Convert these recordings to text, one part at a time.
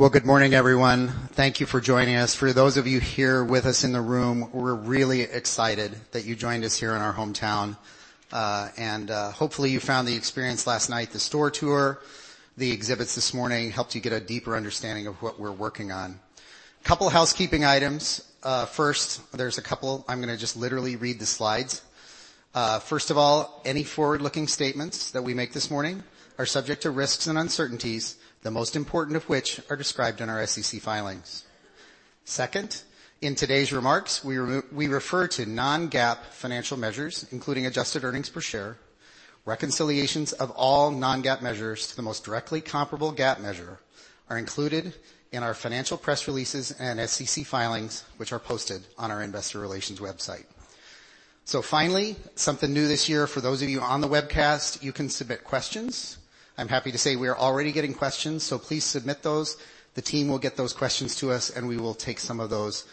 Well, good morning, everyone. Thank you for joining us. For those of you here with us in the room, we're really excited that you joined us here in our hometown. Hopefully, you found the experience last night, the store tour, the exhibits this morning helped you get a deeper understanding of what we're working on. Couple housekeeping items. First, there's a couple. I'm going to just literally read the slides. First of all, any forward-looking statements that we make this morning are subject to risks and uncertainties, the most important of which are described in our SEC filings. Second, in today's remarks, we refer to non-GAAP financial measures, including adjusted earnings per share. Reconciliations of all non-GAAP measures to the most directly comparable GAAP measure are included in our financial press releases and SEC filings, which are posted on our investor relations website. Finally, something new this year, for those of you on the webcast, you can submit questions. I'm happy to say we are already getting questions, please submit those. The team will get those questions to us, we will take some of those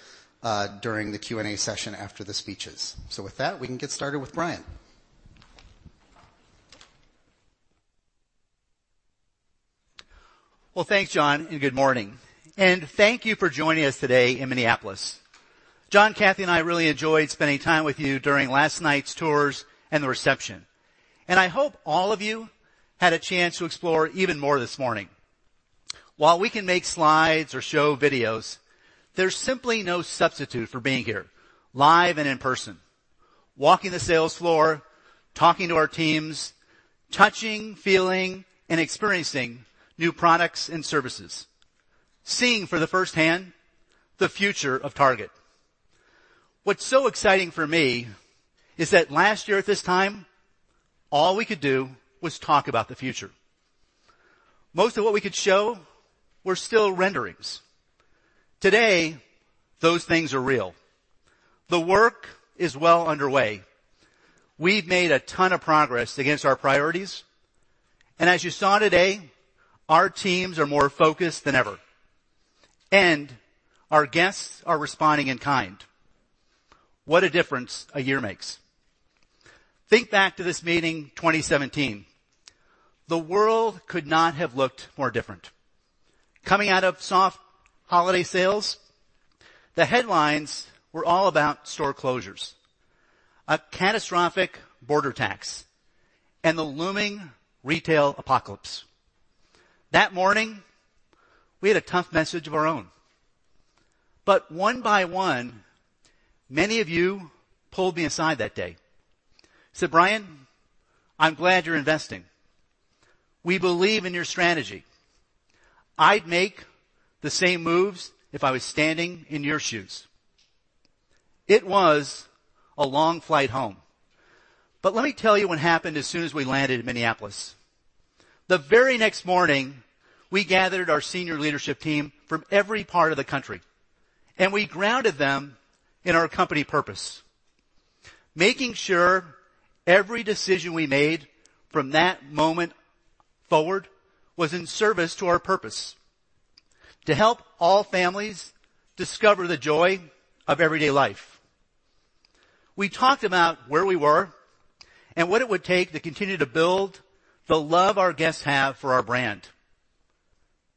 during the Q&A session after the speeches. With that, we can get started with Brian. Well, thanks, John, and good morning. Thank you for joining us today in Minneapolis. John, Cathy, and I really enjoyed spending time with you during last night's tours and the reception. I hope all of you had a chance to explore even more this morning. While we can make slides or show videos, there's simply no substitute for being here, live and in person, walking the sales floor, talking to our teams, touching, feeling, and experiencing new products and services, seeing firsthand the future of Target. What's so exciting for me is that last year at this time, all we could do was talk about the future. Most of what we could show were still renderings. Today, those things are real. The work is well underway. We've made a ton of progress against our priorities. As you saw today, our teams are more focused than ever, and our guests are responding in kind. What a difference a year makes. Think back to this meeting, 2017. The world could not have looked more different. Coming out of soft holiday sales, the headlines were all about store closures, a catastrophic border tax, and the looming retail apocalypse. That morning, we had a tough message of our own. One by one, many of you pulled me aside that day. Said, "Brian, I'm glad you're investing. We believe in your strategy. I'd make the same moves if I was standing in your shoes." It was a long flight home. Let me tell you what happened as soon as we landed in Minneapolis. The very next morning, we gathered our senior leadership team from every part of the country. We grounded them in our company purpose, making sure every decision we made from that moment forward was in service to our purpose, to help all families discover the joy of everyday life. We talked about where we were and what it would take to continue to build the love our guests have for our brand.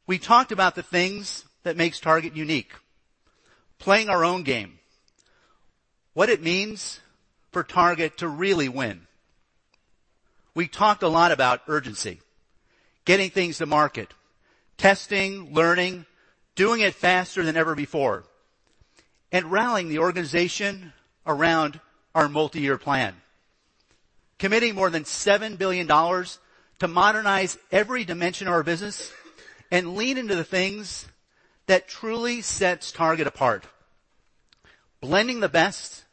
We talked about the things that make Target unique, playing our own game, what it means for Target to really win. We talked a lot about urgency, getting things to market, testing, learning, doing it faster than ever before. Rallying the organization around our multi-year plan, committing more than $7 billion to modernize every dimension of our business and lean into the things that truly sets Target apart. Blending the best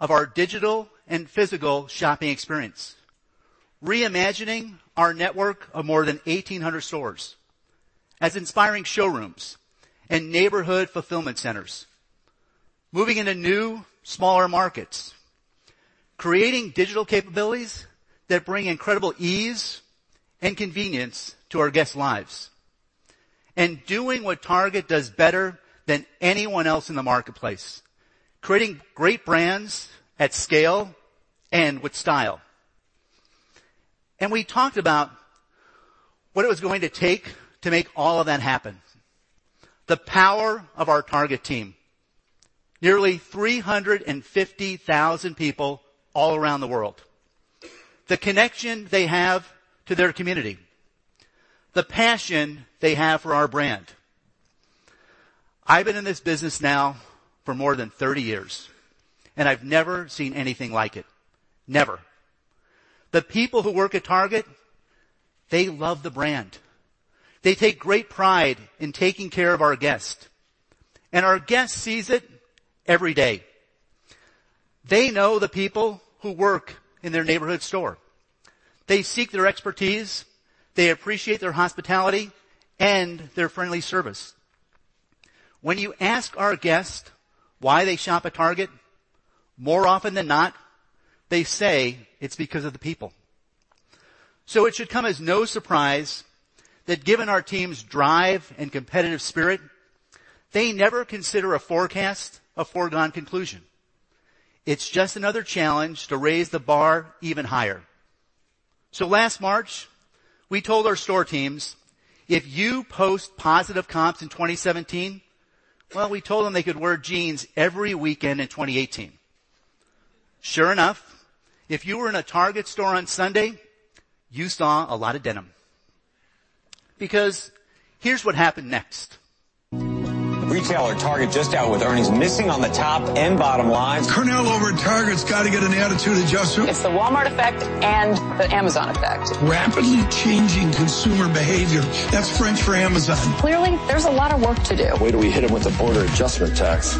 of our digital and physical shopping experience, reimagining our network of more than 1,800 stores as inspiring showrooms and neighborhood fulfillment centers, moving into new, smaller markets, creating digital capabilities that bring incredible ease and convenience to our guests' lives. Doing what Target does better than anyone else in the marketplace, creating great brands at scale and with style. We talked about what it was going to take to make all of that happen. The power of our Target team, nearly 350,000 people all around the world. The connection they have to their community. The passion they have for our brand. I've been in this business now for more than 30 years, and I've never seen anything like it. Never. The people who work at Target, they love the brand. They take great pride in taking care of our guest. Our guest sees it every day. They know the people who work in their neighborhood store. They seek their expertise, they appreciate their hospitality and their friendly service. When you ask our guest why they shop at Target, more often than not, they say it's because of the people. It should come as no surprise that given our team's drive and competitive spirit, they never consider a forecast a foregone conclusion. It's just another challenge to raise the bar even higher. Last March, we told our store teams, if you post positive comps in 2017, well, we told them they could wear jeans every weekend in 2018. Sure enough, if you were in a Target store on Sunday, you saw a lot of denim. Here's what happened next. Retailer Target just out with earnings, missing on the top and bottom lines. Cornell over at Target's got to get an attitude adjustment. It's the Walmart effect and the Amazon effect. Rapidly changing consumer behavior, that's French for Amazon. Clearly, there's a lot of work to do. Wait till we hit them with the border adjustment tax.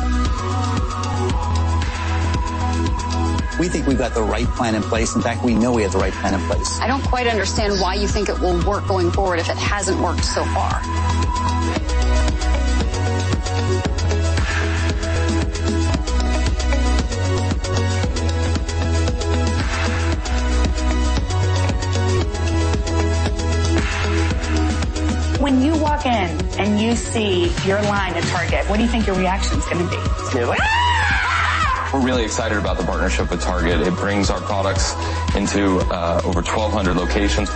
We think we've got the right plan in place. In fact, we know we have the right plan in place. I don't quite understand why you think it will work going forward if it hasn't worked so far. When you walk in and you see your line at Target, what do you think your reaction's going to be? Really? Aah! We're really excited about the partnership with Target. It brings our products into over 1,200 locations.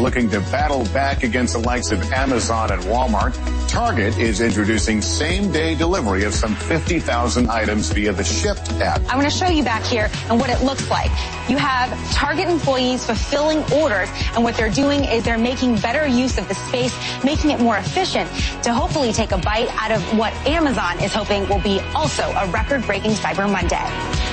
Looking to battle back against the likes of Amazon and Walmart, Target is introducing same-day delivery of some 50,000 items via the Shipt app. I'm going to show you back here and what it looks like. You have Target employees fulfilling orders, what they're doing is they're making better use of the space, making it more efficient to hopefully take a bite out of what Amazon is hoping will be also a record-breaking Cyber Monday.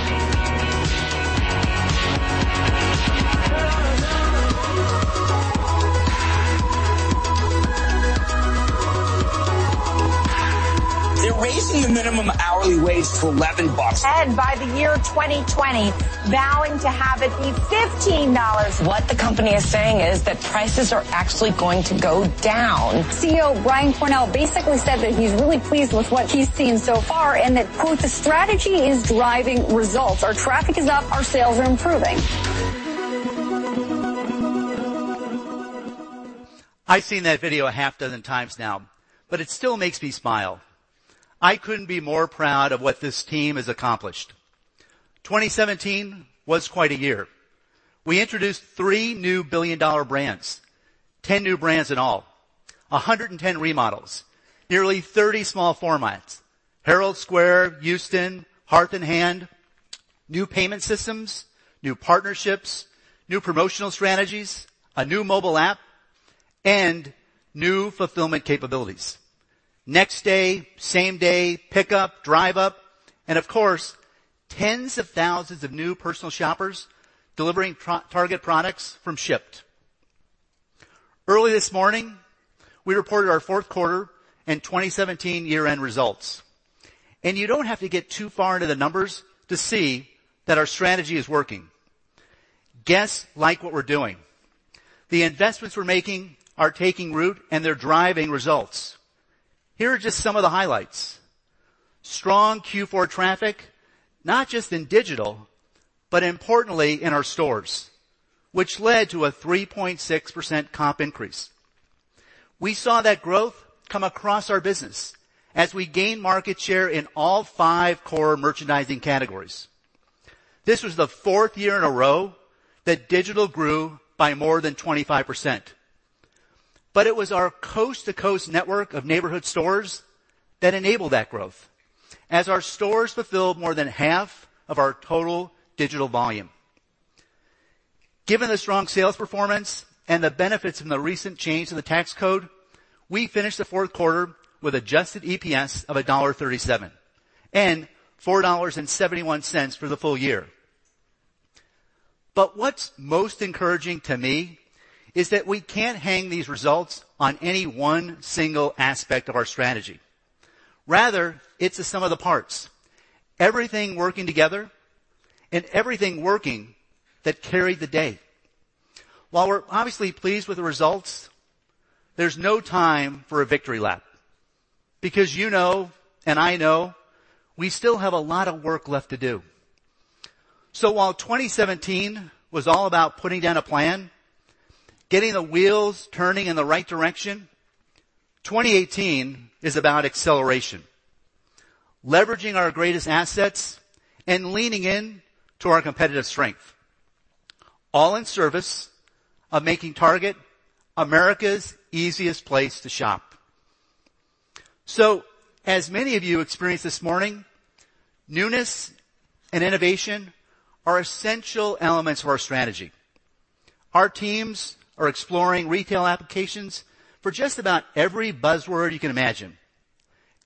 They're raising the minimum hourly wage to $11. By the year 2020, vowing to have it be $15. What the company is saying is that prices are actually going to go down. CEO Brian Cornell basically said that he's really pleased with what he's seen so far and that, quote, "The strategy is driving results. Our traffic is up, our sales are improving. I've seen that video a half dozen times now, it still makes me smile. I couldn't be more proud of what this team has accomplished. 2017 was quite a year. We introduced three new billion-dollar brands, 10 new brands in all, 110 remodels, nearly 30 small formats, Herald Square, Houston, Hearth & Hand, new payment systems, new partnerships, new promotional strategies, a new mobile app, and new fulfillment capabilities. Next-day, same-day pickup, Drive Up, and of course, tens of thousands of new personal shoppers delivering Target products from Shipt. Early this morning, we reported our fourth quarter and 2017 year-end results. You don't have to get too far into the numbers to see that our strategy is working. Guests like what we're doing. The investments we're making are taking root, and they're driving results. Here are just some of the highlights. Strong Q4 traffic, not just in digital, but importantly in our stores, which led to a 3.6% comp increase. We saw that growth come across our business as we gained market share in all five core merchandising categories. This was the fourth year in a row that digital grew by more than 25%. It was our coast-to-coast network of neighborhood stores that enabled that growth as our stores fulfilled more than half of our total digital volume. Given the strong sales performance and the benefits from the recent change in the tax code, we finished the fourth quarter with adjusted EPS of $1.37 and $4.71 for the full year. What's most encouraging to me is that we can't hang these results on any one single aspect of our strategy. Rather, it's the sum of the parts, everything working together and everything working that carried the day. While we're obviously pleased with the results, there's no time for a victory lap because you know and I know we still have a lot of work left to do. While 2017 was all about putting down a plan, getting the wheels turning in the right direction, 2018 is about acceleration, leveraging our greatest assets, and leaning into our competitive strength, all in service of making Target America's easiest place to shop. As many of you experienced this morning, newness and innovation are essential elements of our strategy. Our teams are exploring retail applications for just about every buzzword you can imagine,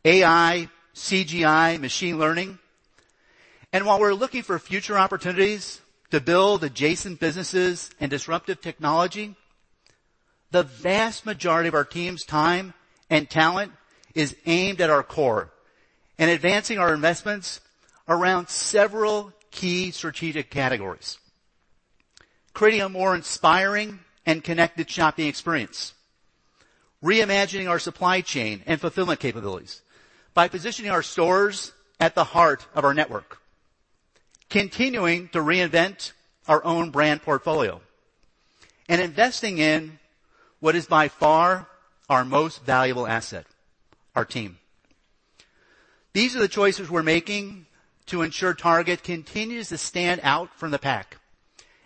AI, CGI, machine learning. While we're looking for future opportunities to build adjacent businesses and disruptive technology, the vast majority of our team's time and talent is aimed at our core and advancing our investments around several key strategic categories. Creating a more inspiring and connected shopping experience, reimagining our supply chain and fulfillment capabilities by positioning our stores at the heart of our network. Continuing to reinvent our own brand portfolio and investing in what is by far our most valuable asset, our team. These are the choices we're making to ensure Target continues to stand out from the pack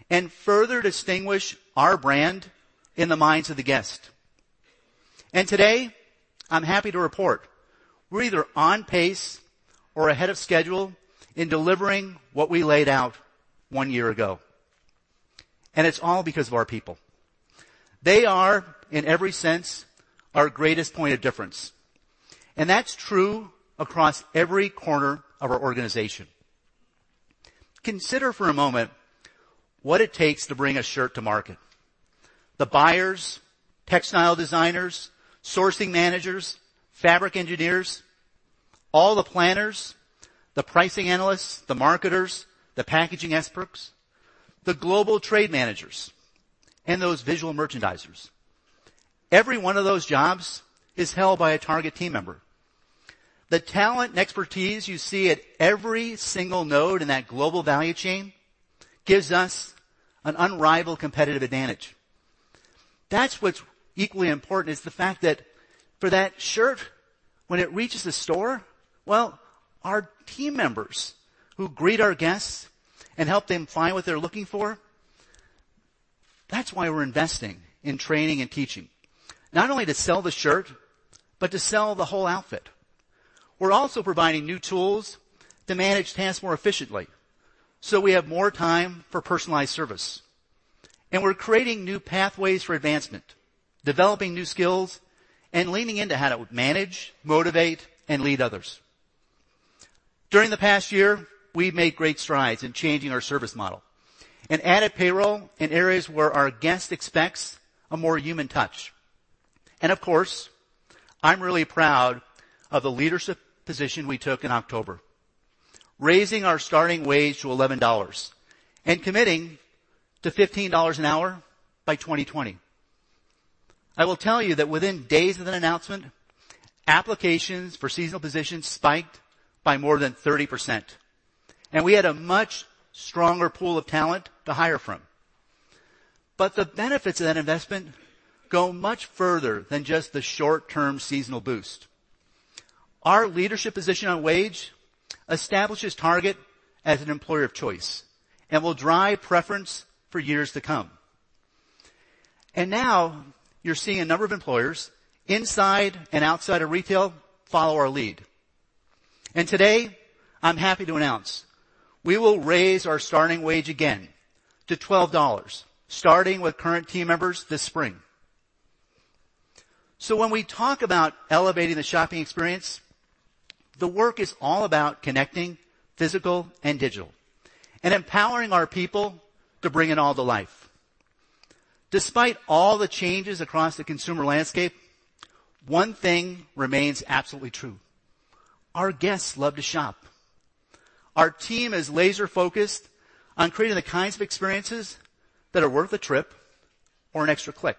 and further distinguish our brand in the minds of the guest. Today, I'm happy to report we're either on pace or ahead of schedule in delivering what we laid out one year ago. It's all because of our people. They are, in every sense, our greatest point of difference. That's true across every corner of our organization. Consider for a moment what it takes to bring a shirt to market. The buyers, textile designers, sourcing managers, fabric engineers, all the planners, the pricing analysts, the marketers, the packaging experts, the global trade managers, and those visual merchandisers. Every one of those jobs is held by a Target team member. The talent and expertise you see at every single node in that global value chain gives us an unrivaled competitive advantage. That's what's equally important, is the fact that for that shirt, when it reaches the store, well, our team members who greet our guests and help them find what they're looking for, that's why we're investing in training and teaching, not only to sell the shirt, but to sell the whole outfit. We're also providing new tools to manage tasks more efficiently so we have more time for personalized service. We're creating new pathways for advancement, developing new skills, and leaning into how to manage, motivate, and lead others. During the past year, we've made great strides in changing our service model and added payroll in areas where our guest expects a more human touch. Of course, I'm really proud of the leadership position we took in October, raising our starting wage to $11 and committing to $15 an hour by 2020. I will tell you that within days of that announcement, applications for seasonal positions spiked by more than 30%, and we had a much stronger pool of talent to hire from. The benefits of that investment go much further than just the short-term seasonal boost. Our leadership position on wage establishes Target as an employer of choice and will drive preference for years to come. Now you're seeing a number of employers inside and outside of retail follow our lead. Today, I'm happy to announce we will raise our starting wage again to $12, starting with current team members this spring. When we talk about elevating the shopping experience, the work is all about connecting physical and digital and empowering our people to bring it all to life. Despite all the changes across the consumer landscape, one thing remains absolutely true. Our guests love to shop. Our team is laser-focused on creating the kinds of experiences that are worth a trip or an extra click.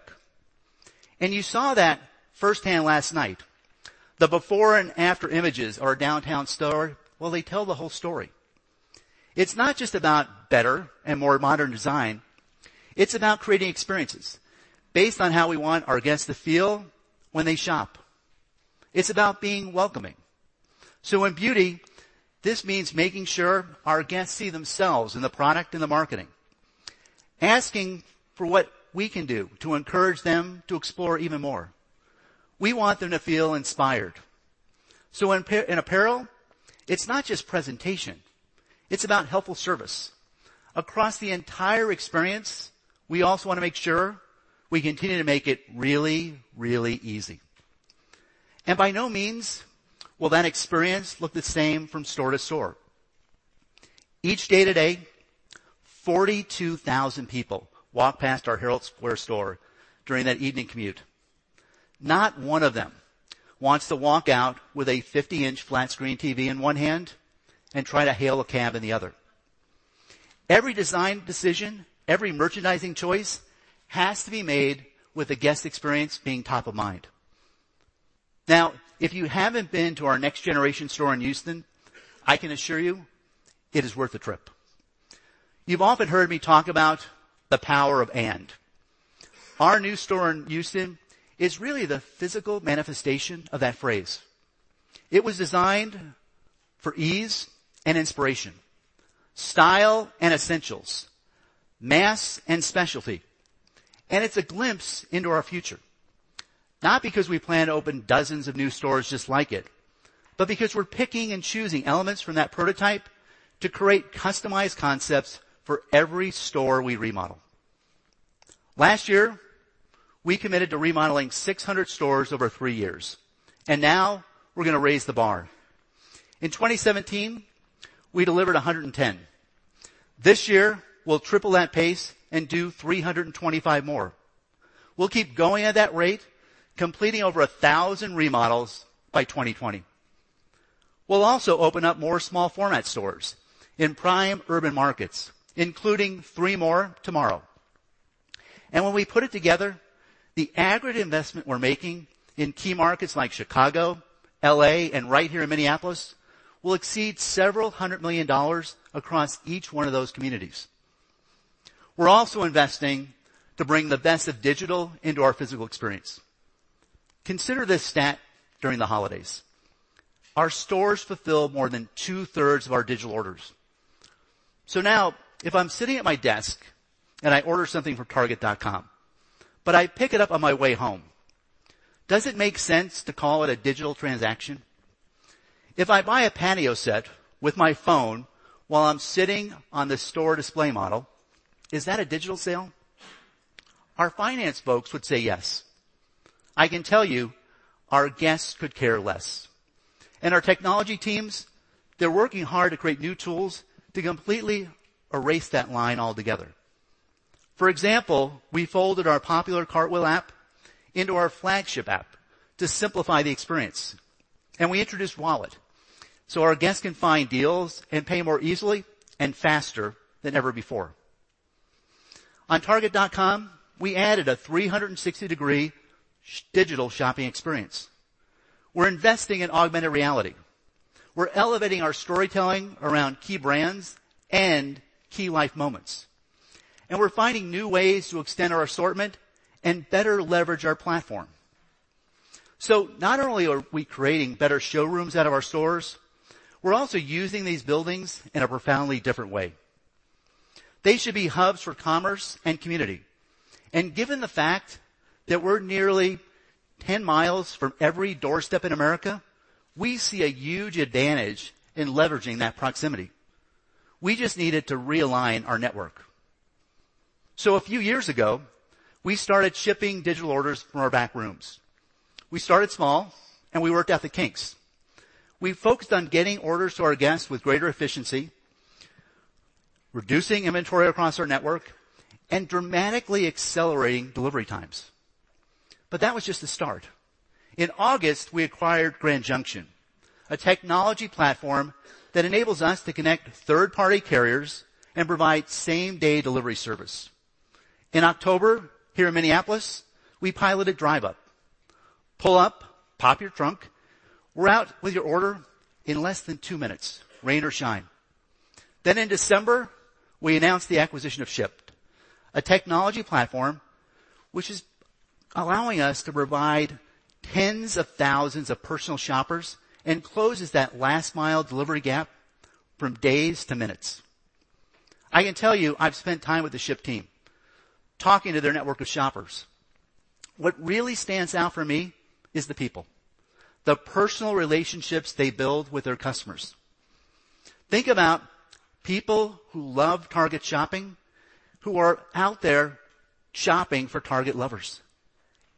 You saw that firsthand last night. The before and after images of our downtown store, they tell the whole story. It's not just about better and more modern design. It's about creating experiences based on how we want our guests to feel when they shop. It's about being welcoming. In beauty, this means making sure our guests see themselves in the product and the marketing, asking for what we can do to encourage them to explore even more. We want them to feel inspired. In apparel, it's not just presentation. It's about helpful service. Across the entire experience, we also wanna make sure we continue to make it really, really easy. By no means will that experience look the same from store to store. Each day today, 42,000 people walk past our Herald Square store during that evening commute. Not one of them wants to walk out with a 50-inch flat-screen TV in one hand and try to hail a cab in the other. Every design decision, every merchandising choice has to be made with the guest experience being top of mind. If you haven't been to our next-generation store in Houston, I can assure you it is worth the trip. You've often heard me talk about the power of and. Our new store in Houston is really the physical manifestation of that phrase. It was designed for ease and inspiration, style and essentials, mass and specialty. It's a glimpse into our future. Not because we plan to open dozens of new stores just like it, but because we're picking and choosing elements from that prototype to create customized concepts for every store we remodel. Last year, we committed to remodeling 600 stores over three years. Now we're gonna raise the bar. In 2017, we delivered 110. This year, we'll triple that pace and do 325 more. We'll keep going at that rate, completing over 1,000 remodels by 2020. We'll also open up more small format stores in prime urban markets, including three more tomorrow. When we put it together, the aggregate investment we're making in key markets like Chicago, L.A., and right here in Minneapolis will exceed several hundred million dollars across each one of those communities. We're also investing to bring the best of digital into our physical experience. Consider this stat during the holidays. Our stores fulfill more than two-thirds of our digital orders. Now, if I'm sitting at my desk and I order something from target.com, but I pick it up on my way home, does it make sense to call it a digital transaction? If I buy a patio set with my phone while I'm sitting on the store display model, is that a digital sale? Our finance folks would say yes. I can tell you, our guests could care less. Our technology teams, they are working hard to create new tools to completely erase that line altogether. For example, we folded our popular Cartwheel app into our flagship app to simplify the experience, and we introduced Wallet, so our guests can find deals and pay more easily and faster than ever before. On target.com, we added a 360-degree digital shopping experience. We are investing in augmented reality. We are elevating our storytelling around key brands and key life moments, and we are finding new ways to extend our assortment and better leverage our platform. Not only are we creating better showrooms out of our stores, we are also using these buildings in a profoundly different way. They should be hubs for commerce and community. Given the fact that we are nearly 10 miles from every doorstep in America, we see a huge advantage in leveraging that proximity. We just needed to realign our network. A few years ago, we started shipping digital orders from our back rooms. We started small, and we worked out the kinks. We focused on getting orders to our guests with greater efficiency, reducing inventory across our network, and dramatically accelerating delivery times. That was just the start. In August, we acquired Grand Junction, a technology platform that enables us to connect third-party carriers and provide same-day delivery service. In October, here in Minneapolis, we piloted Drive Up. Pull up, pop your trunk, we are out with your order in less than two minutes, rain or shine. Then in December, we announced the acquisition of Shipt, a technology platform which is allowing us to provide tens of thousands of personal shoppers and closes that last-mile delivery gap from days to minutes. I can tell you, I have spent time with the Shipt team, talking to their network of shoppers. What really stands out for me is the people, the personal relationships they build with their customers. Think about people who love Target shopping, who are out there shopping for Target lovers.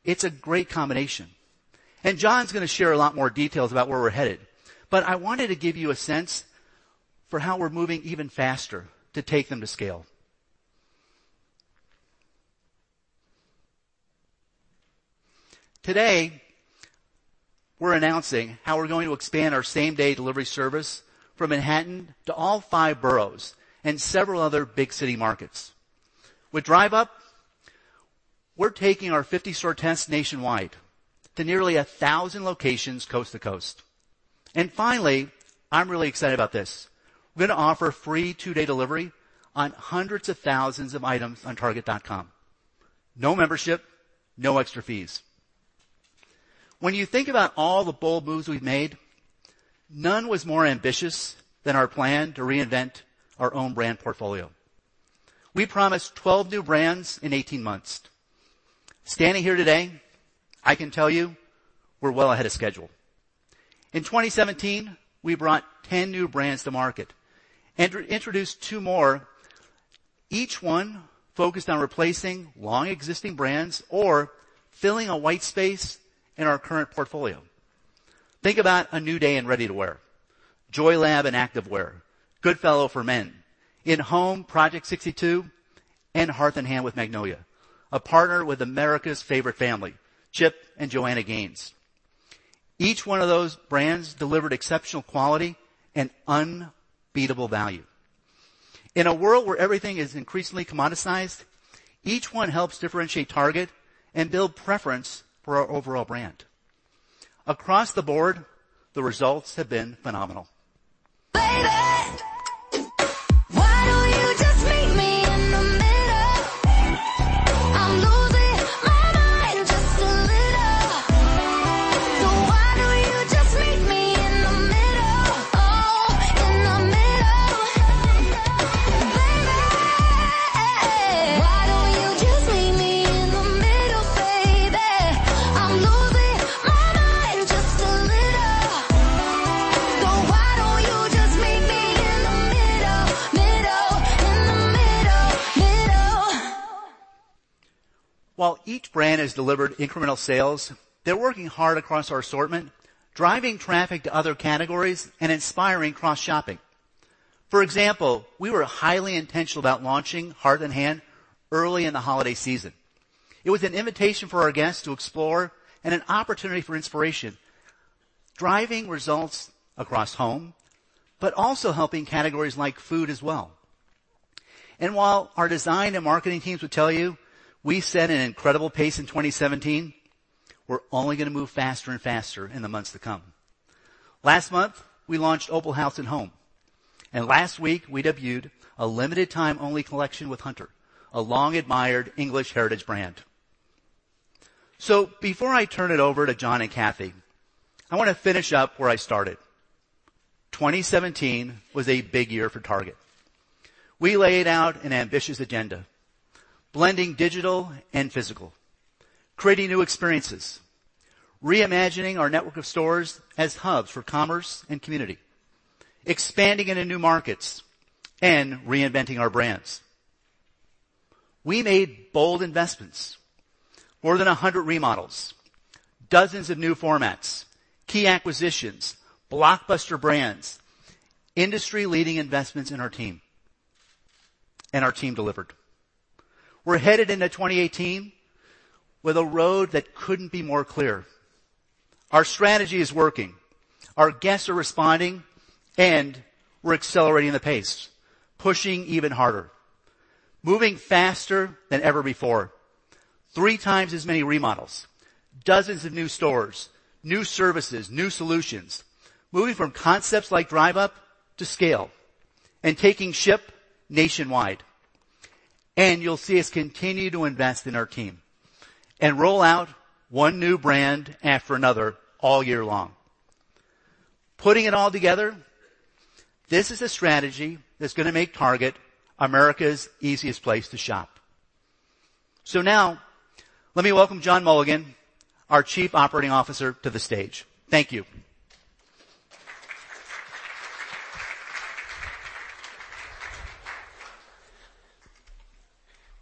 It is a great combination, and John's going to share a lot more details about where we are headed. I wanted to give you a sense for how we are moving even faster to take them to scale. Today, we are announcing how we are going to expand our same-day delivery service from Manhattan to all five boroughs and several other big city markets. With Drive Up, we are taking our 50-store test nationwide to nearly 1,000 locations coast to coast. Finally, I am really excited about this. We are going to offer free two-day delivery on hundreds of thousands of items on target.com. No membership, no extra fees. When you think about all the bold moves we have made, none was more ambitious than our plan to reinvent our own brand portfolio. We promised 12 new brands in 18 months. Standing here today, I can tell you we are well ahead of schedule. In 2017, we brought 10 new brands to market and introduced two more, each one focused on replacing long-existing brands or filling a white space in our current portfolio. Think about A New Day in ready-to-wear, JoyLab in activewear, Goodfellow for men. In home, Project 62 and Hearth & Hand with Magnolia, a partner with America's favorite family, Chip and Joanna Gaines. Each one of those brands delivered exceptional quality and unbeatable value. In a world where everything is increasingly commoditized, each one helps differentiate Target and build preference for our overall brand. Across the board, the results have been phenomenal. Baby, why don't you just meet me in the middle? I'm losing my mind just a little. Why don't you just meet me in the middle, oh, in the middle. Baby, why don't you just meet me in the middle, baby? I'm losing my mind just a little. Why don't you just meet me in the middle, in the middle. While each brand has delivered incremental sales, they're working hard across our assortment, driving traffic to other categories and inspiring cross-shopping. For example, we were highly intentional about launching Hearth & Hand early in the holiday season. It was an invitation for our guests to explore and an opportunity for inspiration Driving results across home, but also helping categories like food as well. While our design and marketing teams would tell you we set an incredible pace in 2017, we're only going to move faster and faster in the months to come. Last month, we launched Opalhouse and Home, and last week we debuted a limited time-only collection with Hunter, a long-admired English heritage brand. Before I turn it over to John and Cathy, I want to finish up where I started. 2017 was a big year for Target. We laid out an ambitious agenda, blending digital and physical, creating new experiences, reimagining our network of stores as hubs for commerce and community, expanding into new markets, and reinventing our brands. We made bold investments. More than 100 remodels, dozens of new formats, key acquisitions, blockbuster brands, industry-leading investments in our team. Our team delivered. We're headed into 2018 with a road that couldn't be more clear. Our strategy is working, our guests are responding, and we're accelerating the pace, pushing even harder, moving faster than ever before. Three times as many remodels, dozens of new stores, new services, new solutions. Moving from concepts like Drive Up to scale and taking Shipt nationwide. You'll see us continue to invest in our team and roll out one new brand after another all year long. Putting it all together, this is a strategy that's going to make Target America's easiest place to shop. Now let me welcome John Mulligan, our Chief Operating Officer, to the stage. Thank you.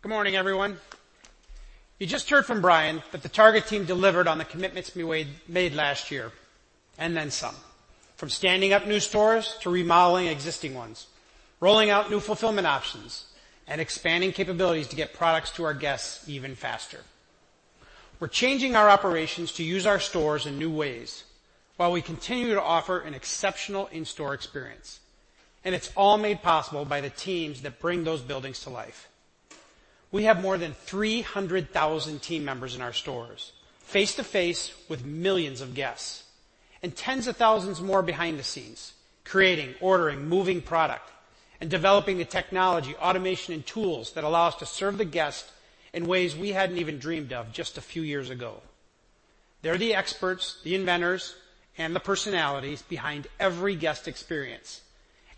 Good morning, everyone. You just heard from Brian that the Target team delivered on the commitments we made last year, and then some. From standing up new stores to remodeling existing ones, rolling out new fulfillment options, and expanding capabilities to get products to our guests even faster. We're changing our operations to use our stores in new ways while we continue to offer an exceptional in-store experience, and it's all made possible by the teams that bring those buildings to life. We have more than 300,000 team members in our stores, face to face with millions of guests, and tens of thousands more behind the scenes, creating, ordering, moving product, and developing the technology, automation, and tools that allow us to serve the guest in ways we hadn't even dreamed of just a few years ago. They're the experts, the inventors, and the personalities behind every guest experience,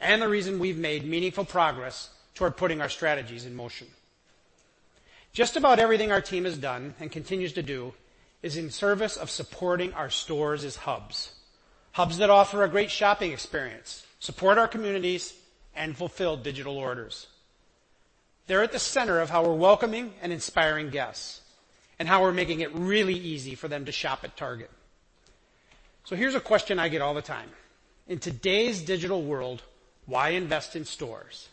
and the reason we've made meaningful progress toward putting our strategies in motion. Just about everything our team has done and continues to do is in service of supporting our stores as hubs. Hubs that offer a great shopping experience, support our communities, and fulfill digital orders. They're at the center of how we're welcoming and inspiring guests, and how we're making it really easy for them to shop at Target. Here's a question I get all the time. In today's digital world, why invest in stores?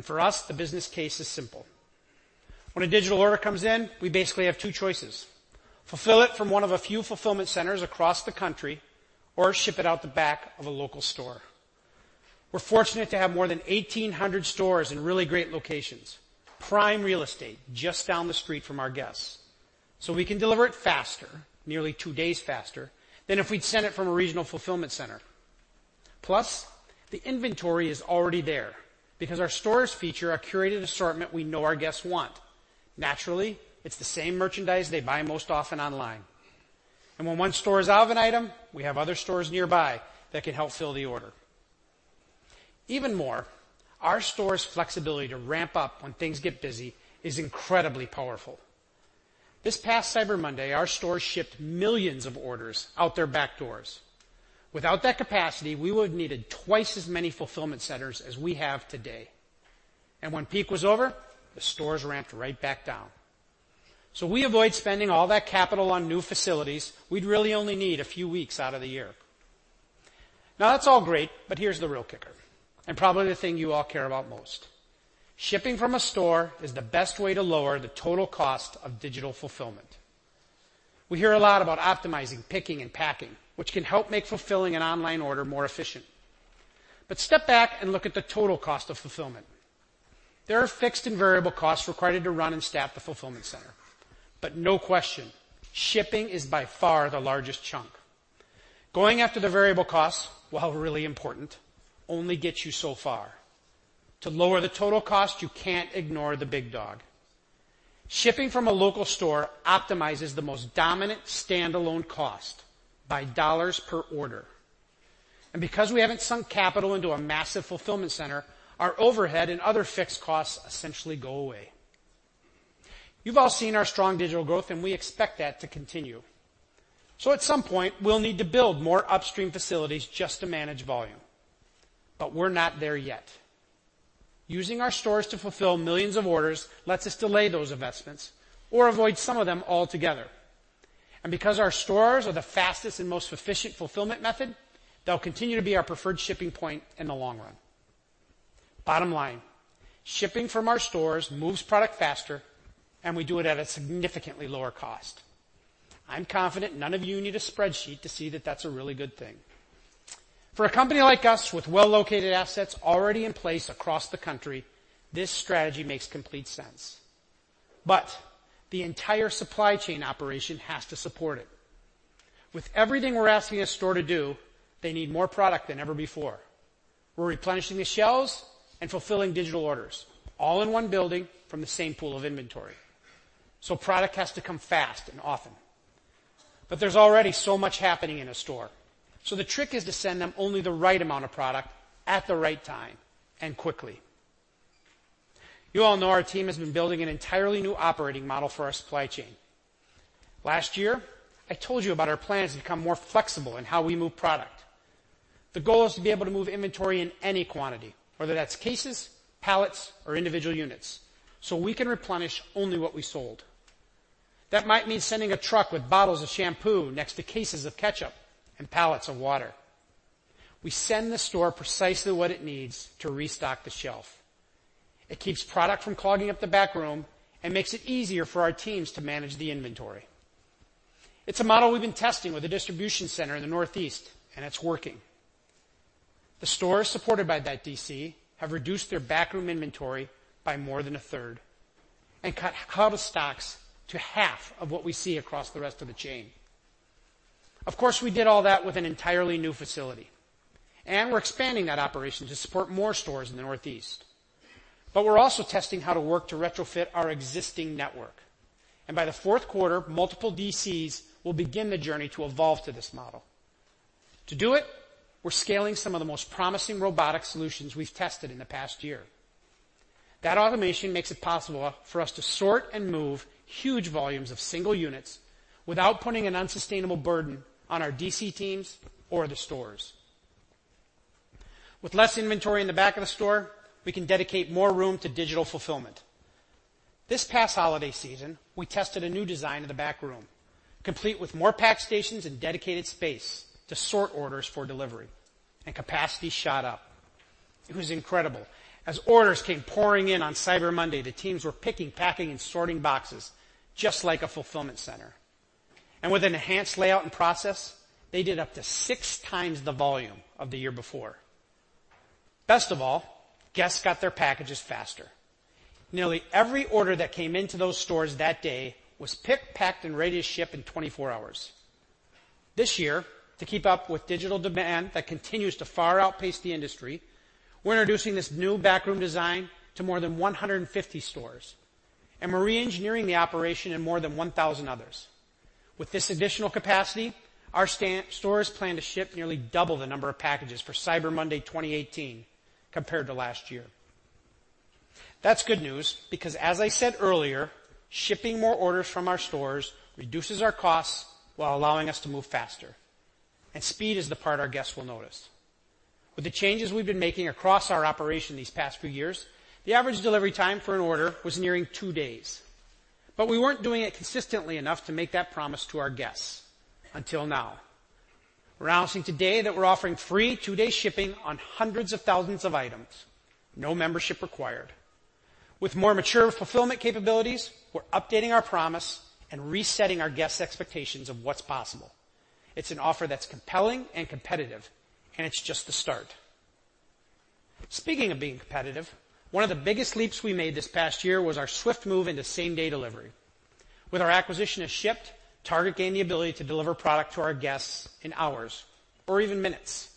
For us, the business case is simple. When a digital order comes in, we basically have 2 choices: fulfill it from one of a few fulfillment centers across the country, or ship it out the back of a local store. We're fortunate to have more than 1,800 stores in really great locations. Prime real estate just down the street from our guests, so we can deliver it faster, nearly two days faster, than if we'd sent it from a regional fulfillment center. Plus, the inventory is already there because our stores feature a curated assortment we know our guests want. Naturally, it's the same merchandise they buy most often online. When one store is out of an item, we have other stores nearby that can help fill the order. Even more, our stores' flexibility to ramp up when things get busy is incredibly powerful. This past Cyber Monday, our stores shipped millions of orders out their back doors. Without that capacity, we would have needed twice as many fulfillment centers as we have today. When peak was over, the stores ramped right back down. We avoid spending all that capital on new facilities we'd really only need a few weeks out of the year. Now that's all great, here's the real kicker, and probably the thing you all care about most. Shipping from a store is the best way to lower the total cost of digital fulfillment. We hear a lot about optimizing, picking, and packing, which can help make fulfilling an online order more efficient. Step back and look at the total cost of fulfillment. There are fixed and variable costs required to run and staff the fulfillment center. No question, shipping is by far the largest chunk. Going after the variable costs, while really important, only gets you so far. To lower the total cost, you can't ignore the big dog. Shipping from a local store optimizes the most dominant standalone cost by $ per order. Because we haven't sunk capital into a massive fulfillment center, our overhead and other fixed costs essentially go away. You've all seen our strong digital growth, and we expect that to continue. At some point, we'll need to build more upstream facilities just to manage volume. We're not there yet. Using our stores to fulfill millions of orders lets us delay those investments or avoid some of them altogether. Because our stores are the fastest and most efficient fulfillment method, they'll continue to be our preferred shipping point in the long run. Bottom line, shipping from our stores moves product faster, and we do it at a significantly lower cost. I'm confident none of you need a spreadsheet to see that that's a really good thing. For a company like us with well-located assets already in place across the country, this strategy makes complete sense, but the entire supply chain operation has to support it. With everything we're asking a store to do, they need more product than ever before. We're replenishing the shelves and fulfilling digital orders all in one building from the same pool of inventory. Product has to come fast and often. There's already so much happening in a store, so the trick is to send them only the right amount of product at the right time and quickly. You all know our team has been building an entirely new operating model for our supply chain. Last year, I told you about our plans to become more flexible in how we move product. The goal is to be able to move inventory in any quantity, whether that's cases, pallets, or individual units, so we can replenish only what we sold. That might mean sending a truck with bottles of shampoo next to cases of ketchup and pallets of water. We send the store precisely what it needs to restock the shelf. It keeps product from clogging up the back room and makes it easier for our teams to manage the inventory. It's a model we've been testing with a distribution center in the Northeast, and it's working. The stores supported by that DC have reduced their backroom inventory by more than a third and cut out-of-stocks to half of what we see across the rest of the chain. Of course, we did all that with an entirely new facility, and we're expanding that operation to support more stores in the Northeast. We're also testing how to work to retrofit our existing network. By the fourth quarter, multiple DCs will begin the journey to evolve to this model. To do it, we're scaling some of the most promising robotic solutions we've tested in the past year. That automation makes it possible for us to sort and move huge volumes of single units without putting an unsustainable burden on our DC teams or the stores. With less inventory in the back of the store, we can dedicate more room to digital fulfillment. This past holiday season, we tested a new design in the back room, complete with more pack stations and dedicated space to sort orders for delivery, and capacity shot up. It was incredible. As orders came pouring in on Cyber Monday, the teams were picking, packing, and sorting boxes just like a fulfillment center. With an enhanced layout and process, they did up to 6 times the volume of the year before. Best of all, guests got their packages faster. Nearly every order that came into those stores that day was picked, packed, and ready to ship in 24 hours. This year, to keep up with digital demand that continues to far outpace the industry, we're introducing this new backroom design to more than 150 stores, and we're re-engineering the operation in more than 1,000 others. With this additional capacity, our stores plan to ship nearly double the number of packages for Cyber Monday 2018 compared to last year. That's good news because, as I said earlier, shipping more orders from our stores reduces our costs while allowing us to move faster. Speed is the part our guests will notice. With the changes we've been making across our operation these past few years, the average delivery time for an order was nearing 2 days. We weren't doing it consistently enough to make that promise to our guests, until now. We're announcing today that we're offering free 2-day shipping on hundreds of thousands of items, no membership required. With more mature fulfillment capabilities, we're updating our promise and resetting our guests' expectations of what's possible. It's an offer that's compelling and competitive, it's just the start. Speaking of being competitive, one of the biggest leaps we made this past year was our swift move into same-day delivery. With our acquisition of Shipt, Target gained the ability to deliver product to our guests in hours or even minutes.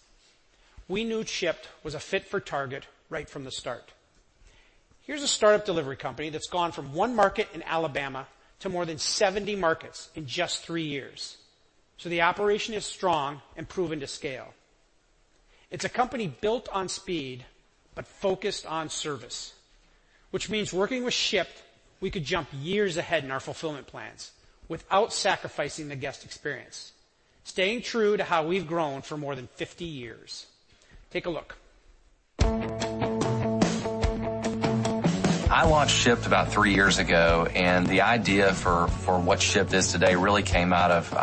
We knew Shipt was a fit for Target right from the start. Here's a startup delivery company that's gone from 1 market in Alabama to more than 70 markets in just 3 years. The operation is strong and proven to scale. It's a company built on speed but focused on service, which means working with Shipt, we could jump years ahead in our fulfillment plans without sacrificing the guest experience, staying true to how we've grown for more than 50 years. Take a look. I launched Shipt about 3 years ago, the idea for what Shipt is today really came out of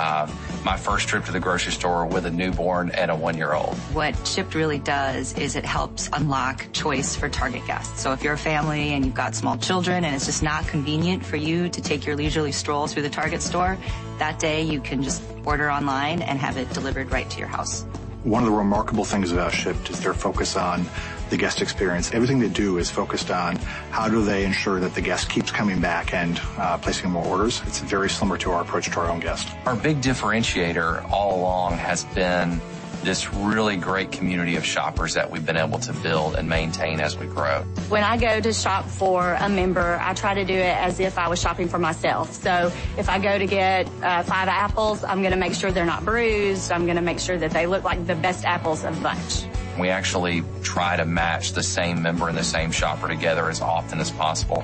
my first trip to the grocery store with a newborn and a 1-year-old. What Shipt really does is it helps unlock choice for Target guests. If you're a family and you've got small children and it's just not convenient for you to take your leisurely stroll through the Target store, that day you can just order online and have it delivered right to your house. One of the remarkable things about Shipt is their focus on the guest experience. Everything they do is focused on how do they ensure that the guest keeps coming back and placing more orders. It's very similar to our approach to our own guests. Our big differentiator all along has been this really great community of shoppers that we've been able to build and maintain as we grow. When I go to shop for a member, I try to do it as if I was shopping for myself. If I go to get five apples, I'm going to make sure they're not bruised. I'm going to make sure that they look like the best apples of the bunch. We actually try to match the same member and the same shopper together as often as possible.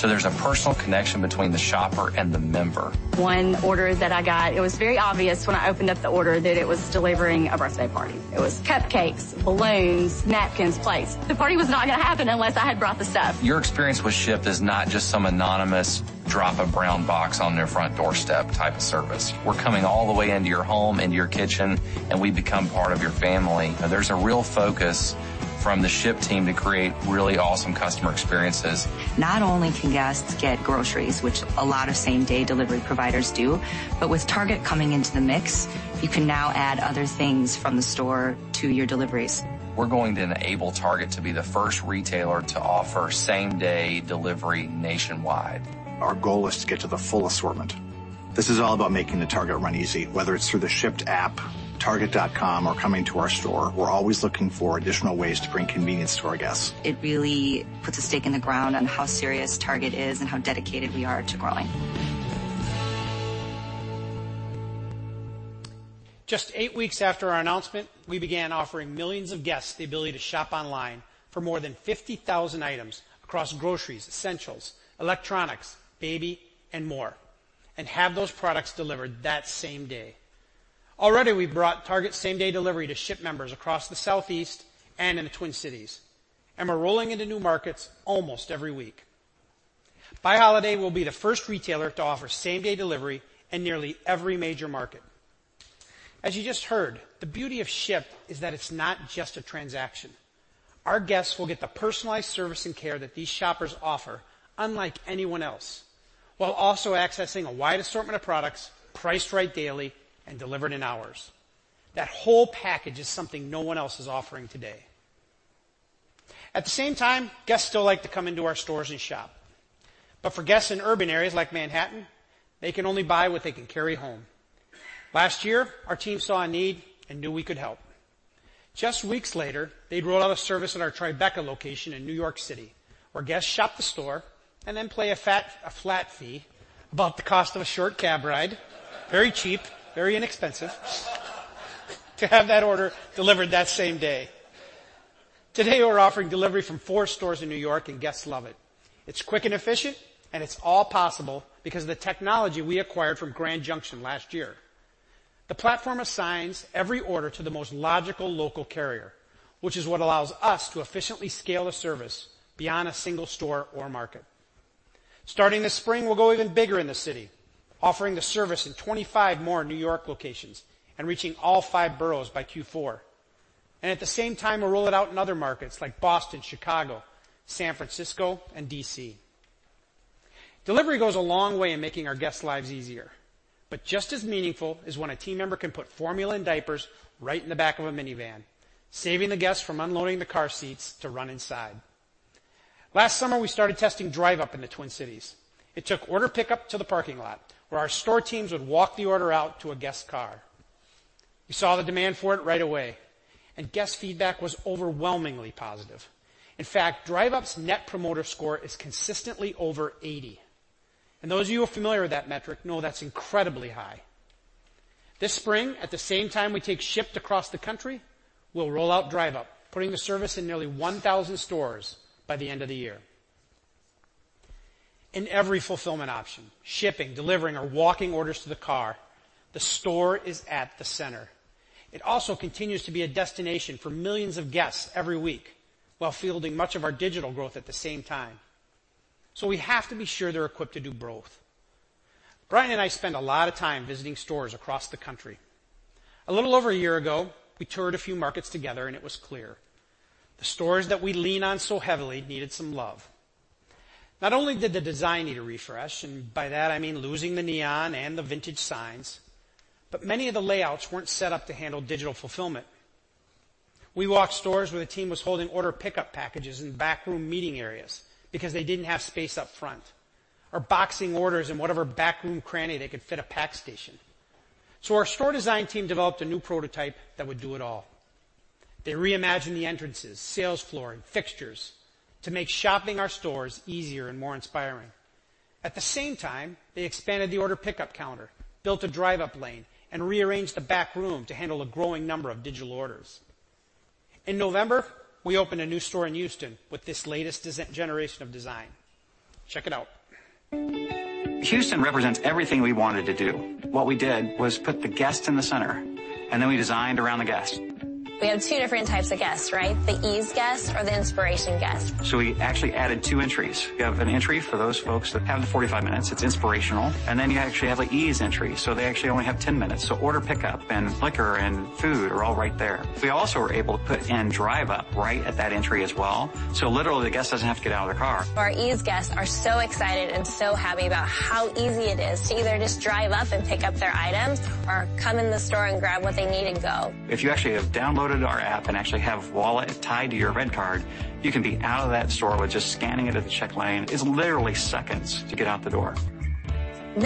There's a personal connection between the shopper and the member. One order that I got, it was very obvious when I opened up the order that it was delivering a birthday party. It was cupcakes, balloons, napkins, plates. The party was not going to happen unless I had brought the stuff. Your experience with Shipt is not just some anonymous drop a brown box on their front doorstep type of service. We're coming all the way into your home, into your kitchen, and we become part of your family. There's a real focus from the Shipt team to create really awesome customer experiences. Not only can guests get groceries, which a lot of same-day delivery providers do, with Target coming into the mix, you can now add other things from the store to your deliveries. We're going to enable Target to be the first retailer to offer same-day delivery nationwide. Our goal is to get to the full assortment. This is all about making the Target run easy, whether it's through the Shipt app, target.com, or coming to our store. We're always looking for additional ways to bring convenience to our guests. It really puts a stake in the ground on how serious Target is and how dedicated we are to growing. Just eight weeks after our announcement, we began offering millions of guests the ability to shop online for more than 50,000 items across groceries, essentials, electronics, baby, and more, and have those products delivered that same day. Already, we've brought Target's same-day delivery to Shipt members across the Southeast and in the Twin Cities, and we're rolling into new markets almost every week. By Holiday, we'll be the first retailer to offer same-day delivery in nearly every major market. As you just heard, the beauty of Shipt is that it's not just a transaction. Our guests will get the personalized service and care that these shoppers offer unlike anyone else, while also accessing a wide assortment of products priced right daily and delivered in hours. That whole package is something no one else is offering today. At the same time, guests still like to come into our stores and shop. For guests in urban areas like Manhattan, they can only buy what they can carry home. Last year, our team saw a need and knew we could help. Just weeks later, they'd roll out a service in our Tribeca location in New York City, where guests shop the store and then pay a flat fee, about the cost of a short cab ride, very cheap, very inexpensive, to have that order delivered that same day. Today, we're offering delivery from four stores in New York, and guests love it. It's quick and efficient, and it's all possible because of the technology we acquired from Grand Junction last year. The platform assigns every order to the most logical local carrier, which is what allows us to efficiently scale a service beyond a single store or market. Starting this spring, we'll go even bigger in the city, offering the service in 25 more New York locations and reaching all five boroughs by Q4. At the same time, we'll roll it out in other markets like Boston, Chicago, San Francisco, and D.C. Delivery goes a long way in making our guests' lives easier, but just as meaningful is when a team member can put formula and diapers right in the back of a minivan, saving the guests from unloading the car seats to run inside. Last summer, we started testing Drive Up in the Twin Cities. It took order pickup to the parking lot, where our store teams would walk the order out to a guest's car. We saw the demand for it right away, and guest feedback was overwhelmingly positive. In fact, Drive Up's Net Promoter Score is consistently over 80, and those of you who are familiar with that metric know that's incredibly high. This spring, at the same time we take Shipt across the country, we'll roll out Drive Up, putting the service in nearly 1,000 stores by the end of the year. In every fulfillment option, shipping, delivering, or walking orders to the car, the store is at the center. It also continues to be a destination for millions of guests every week while fielding much of our digital growth at the same time. We have to be sure they're equipped to do both. Brian and I spend a lot of time visiting stores across the country. A little over a year ago, we toured a few markets together, and it was clear. The stores that we lean on so heavily needed some love. Not only did the design need a refresh, and by that I mean losing the neon and the vintage signs, but many of the layouts weren't set up to handle digital fulfillment. We walked stores where the team was holding order pickup packages in backroom meeting areas because they didn't have space up front, or boxing orders in whatever backroom cranny they could fit a pack station. Our store design team developed a new prototype that would do it all. They reimagined the entrances, sales floor, and fixtures to make shopping our stores easier and more inspiring. At the same time, they expanded the order pickup counter, built a Drive Up lane, and rearranged the back room to handle a growing number of digital orders. In November, we opened a new store in Houston with this latest generation of design. Check it out. Houston represents everything we wanted to do. What we did was put the guest in the center, and then we designed around the guest. We have 2 different types of guests, right? The ease guest or the inspiration guest. We actually added two entries. We have an entry for those folks that have the 45 minutes. It's inspirational. You actually have an ease entry, so they actually only have 10 minutes. Order pickup, and liquor, and food are all right there. We also were able to put in Drive Up right at that entry as well, so literally, the guest doesn't have to get out of their car. Our ease guests are so excited and so happy about how easy it is to either just Drive Up and pick up their items or come in the store and grab what they need and go. If you actually have downloaded our app and actually have Wallet tied to your RedCard, you can be out of that store with just scanning it at the check lane. It's literally seconds to get out the door.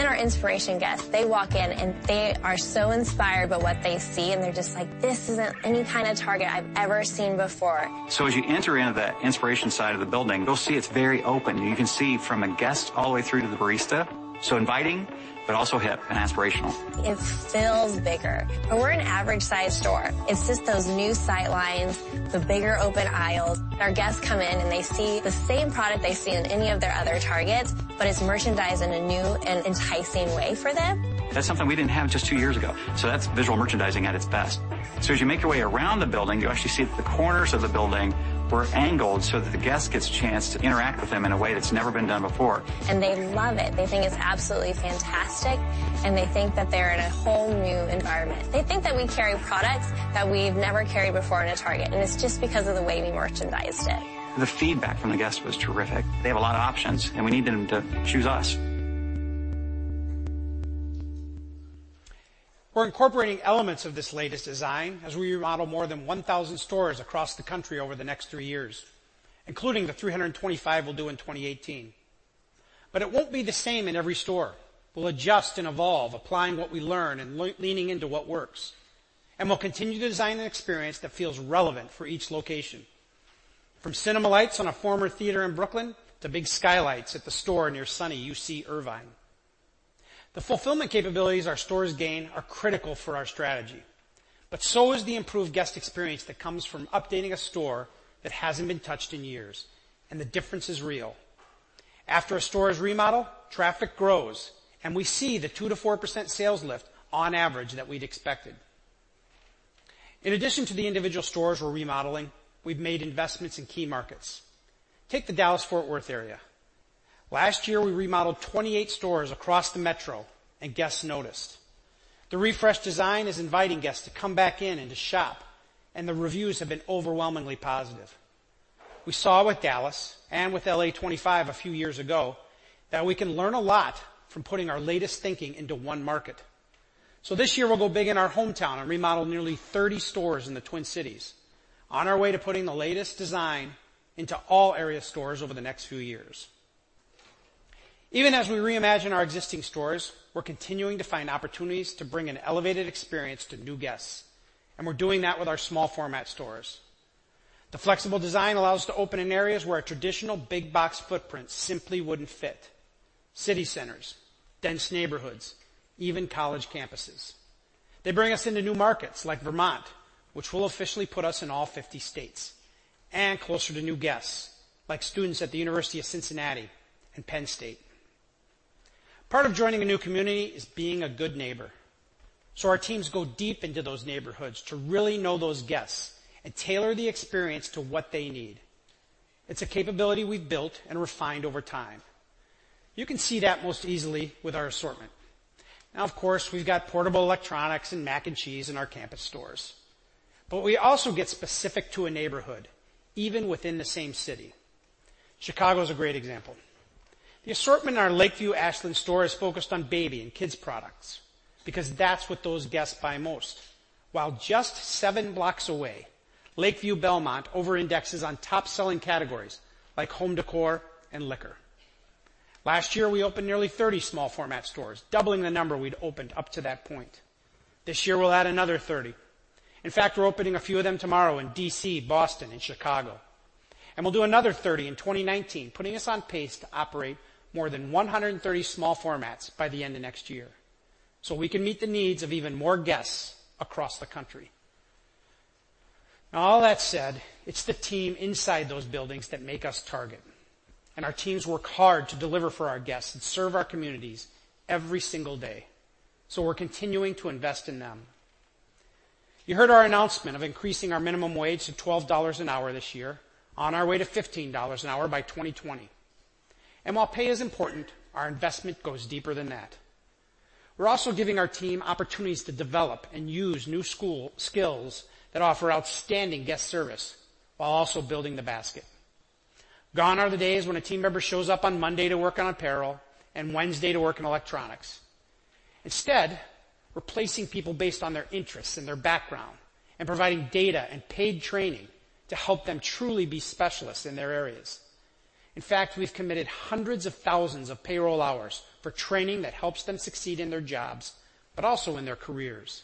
Our inspiration guests, they walk in, and they are so inspired by what they see, and they're just like, "This isn't any kind of Target I've ever seen before. As you enter into the inspiration side of the building, you'll see it's very open. You can see from a guest all the way through to the barista. Inviting, but also hip and aspirational. It feels bigger, but we're an average-sized store. It's just those new sight lines, the bigger open aisles. They see the same product they see in any of their other Targets, but it's merchandised in a new and enticing way for them. That's something we didn't have just two years ago, that's visual merchandising at its best. As you make your way around the building, you actually see that the corners of the building were angled so that the guest gets a chance to interact with them in a way that's never been done before. They love it. They think it's absolutely fantastic, they think that they're in a whole new environment. They think that we carry products that we've never carried before in a Target, it's just because of the way we merchandised it. The feedback from the guests was terrific. They have a lot of options, we need them to choose us. We're incorporating elements of this latest design as we remodel more than 1,000 stores across the country over the next three years, including the 325 we'll do in 2018. It won't be the same in every store. We'll adjust and evolve, applying what we learn and leaning into what works. We'll continue to design an experience that feels relevant for each location. From cinema lights on a former theater in Brooklyn to big skylights at the store near sunny UC Irvine. The fulfillment capabilities our stores gain are critical for our strategy, but so is the improved guest experience that comes from updating a store that hasn't been touched in years, and the difference is real. After a store is remodeled, traffic grows, and we see the 2%-4% sales lift on average that we'd expected. In addition to the individual stores we're remodeling, we've made investments in key markets. Take the Dallas-Fort Worth area. Last year, we remodeled 28 stores across the Metro and guests noticed. The refreshed design is inviting guests to come back in and to shop, and the reviews have been overwhelmingly positive. We saw with Dallas and with LA25 a few years ago that we can learn a lot from putting our latest thinking into one market. This year, we'll go big in our hometown and remodel nearly 30 stores in the Twin Cities, on our way to putting the latest design into all area stores over the next few years. Even as we reimagine our existing stores, we're continuing to find opportunities to bring an elevated experience to new guests, and we're doing that with our small format stores. The flexible design allows to open in areas where a traditional big box footprint simply wouldn't fit: city centers, dense neighborhoods, even college campuses. They bring us into new markets like Vermont, which will officially put us in all 50 states and closer to new guests, like students at the University of Cincinnati and Penn State. Part of joining a new community is being a good neighbor. Our teams go deep into those neighborhoods to really know those guests and tailor the experience to what they need. It's a capability we've built and refined over time. You can see that most easily with our assortment. Now, of course, we've got portable electronics and mac and cheese in our campus stores. We also get specific to a neighborhood, even within the same city. Chicago is a great example. The assortment in our Lakeview Ashland store is focused on baby and kids products because that's what those guests buy most. While just seven blocks away, Lakeview Belmont over-indexes on top-selling categories like home decor and liquor. Last year, we opened nearly 30 small format stores, doubling the number we'd opened up to that point. This year, we'll add another 30. In fact, we're opening a few of them tomorrow in D.C., Boston, and Chicago. We'll do another 30 in 2019, putting us on pace to operate more than 130 small formats by the end of next year so we can meet the needs of even more guests across the country. All that said, it's the team inside those buildings that make us Target, and our teams work hard to deliver for our guests and serve our communities every single day, we're continuing to invest in them. You heard our announcement of increasing our minimum wage to $12 an hour this year on our way to $15 an hour by 2020. While pay is important, our investment goes deeper than that. We're also giving our team opportunities to develop and use new skills that offer outstanding guest service while also building the basket. Gone are the days when a team member shows up on Monday to work on apparel and Wednesday to work in electronics. Instead, we're placing people based on their interests and their background and providing data and paid training to help them truly be specialists in their areas. In fact, we've committed hundreds of thousands of payroll hours for training that helps them succeed in their jobs, but also in their careers.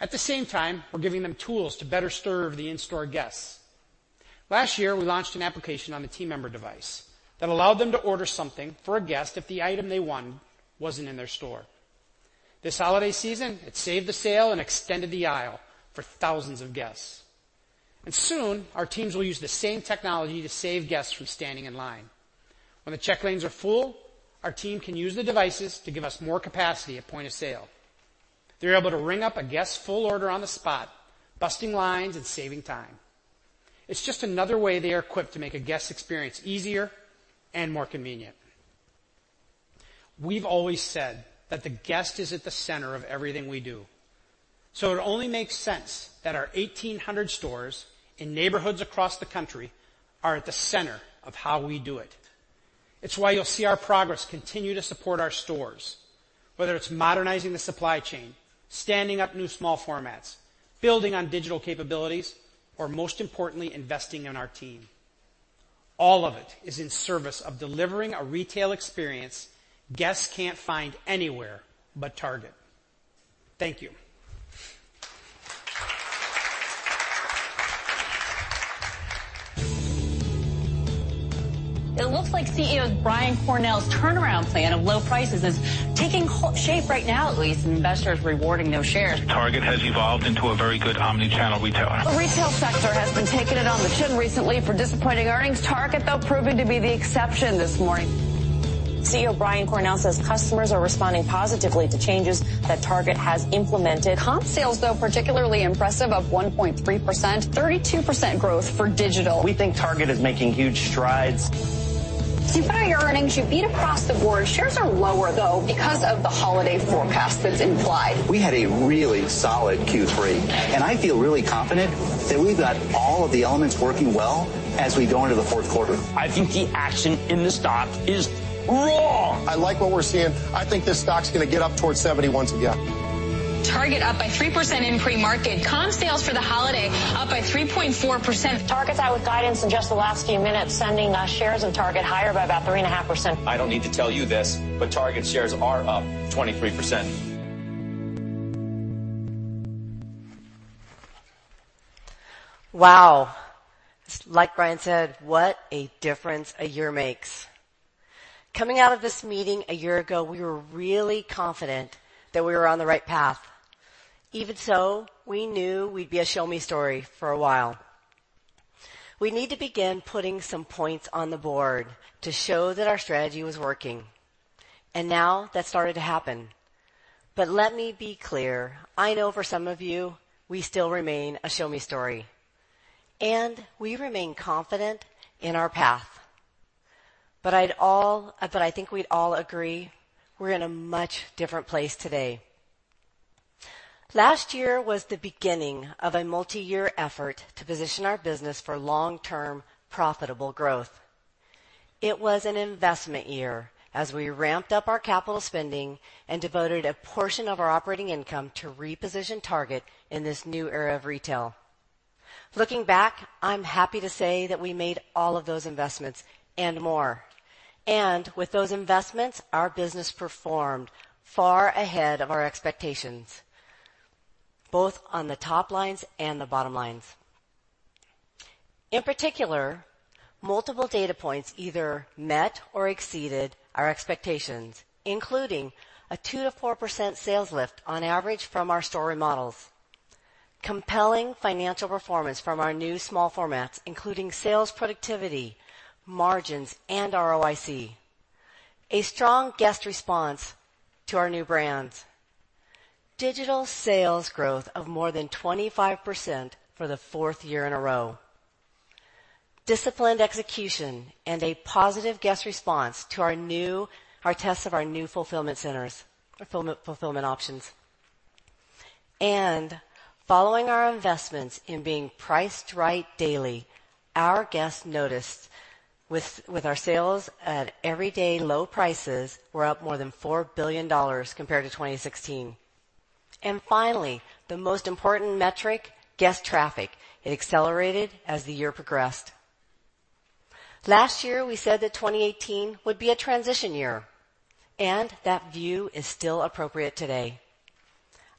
At the same time, we're giving them tools to better serve the in-store guests. Last year, we launched an application on the team member device that allowed them to order something for a guest if the item they want wasn't in their store. This holiday season, it saved the sale and extended the aisle for thousands of guests. Soon, our teams will use the same technology to save guests from standing in line. When the check lanes are full, our team can use the devices to give us more capacity at point of sale. They're able to ring up a guest's full order on the spot, busting lines and saving time. It's just another way they are equipped to make a guest experience easier and more convenient. We've always said that the guest is at the center of everything we do, it only makes sense that our 1,800 stores in neighborhoods across the country are at the center of how we do it. It's why you'll see our progress continue to support our stores, whether it's modernizing the supply chain, standing up new small formats, building on digital capabilities, or most importantly, investing in our team. All of it is in service of delivering a retail experience guests can't find anywhere but Target. Thank you. It looks like CEO Brian Cornell's turnaround plan of low prices is taking shape right now at least, investors rewarding those shares. Target has evolved into a very good omni-channel retailer. The retail sector has been taking it on the chin recently for disappointing earnings. Target, though, proving to be the exception this morning. CEO Brian Cornell says customers are responding positively to changes that Target has implemented. Comp sales, though, particularly impressive, up 1.3%. 32% growth for digital. We think Target is making huge strides. You beat earnings. You beat across the board. Shares are lower, though, because of the holiday forecast that's implied. We had a really solid Q3. I feel really confident that we've got all of the elements working well as we go into the fourth quarter. I think the action in the stock is raw. I like what we're seeing. I think this stock's going to get up towards 70 once again. Target up by 3% in pre-market. Comp sales for the holiday up by 3.4%. Target's out with guidance in just the last few minutes, sending shares of Target higher by about 3.5%. I don't need to tell you this, but Target shares are up 23%. Wow. Like Brian said, what a difference a year makes. Coming out of this meeting a year ago, we were really confident that we were on the right path. Even so, we knew we'd be a show-me story for a while. We'd need to begin putting some points on the board to show that our strategy was working. Now that's started to happen. Let me be clear, I know for some of you, we still remain a show-me story. We remain confident in our path. I think we'd all agree, we're in a much different place today. Last year was the beginning of a multi-year effort to position our business for long-term profitable growth. It was an investment year, as we ramped up our capital spending and devoted a portion of our operating income to reposition Target in this new era of retail. Looking back, I'm happy to say that we made all of those investments and more. With those investments, our business performed far ahead of our expectations, both on the top lines and the bottom lines. In particular, multiple data points either met or exceeded our expectations, including a 2%-4% sales lift on average from our store models. Compelling financial performance from our new small formats, including sales productivity, margins, and ROIC. A strong guest response to our new brands. Digital sales growth of more than 25% for the fourth year in a row. Disciplined execution and a positive guest response to our tests of our new fulfillment options. Following our investments in being priced right daily, our guests noticed with our sales at everyday low prices were up more than $4 billion compared to 2016. Finally, the most important metric, guest traffic. It accelerated as the year progressed. Last year, we said that 2018 would be a transition year, and that view is still appropriate today.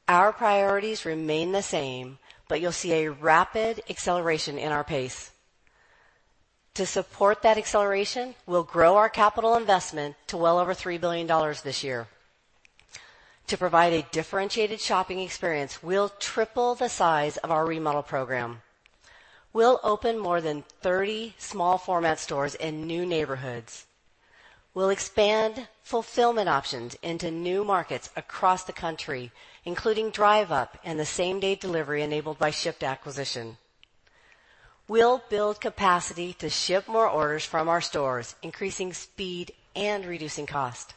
Our priorities remain the same, you'll see a rapid acceleration in our pace. To support that acceleration, we'll grow our capital investment to well over $3 billion this year. To provide a differentiated shopping experience, we'll triple the size of our remodel program. We'll open more than 30 small format stores in new neighborhoods. We'll expand fulfillment options into new markets across the country, including Drive Up and the same-day delivery enabled by Shipt acquisition. We'll build capacity to ship more orders from our stores, increasing speed and reducing cost.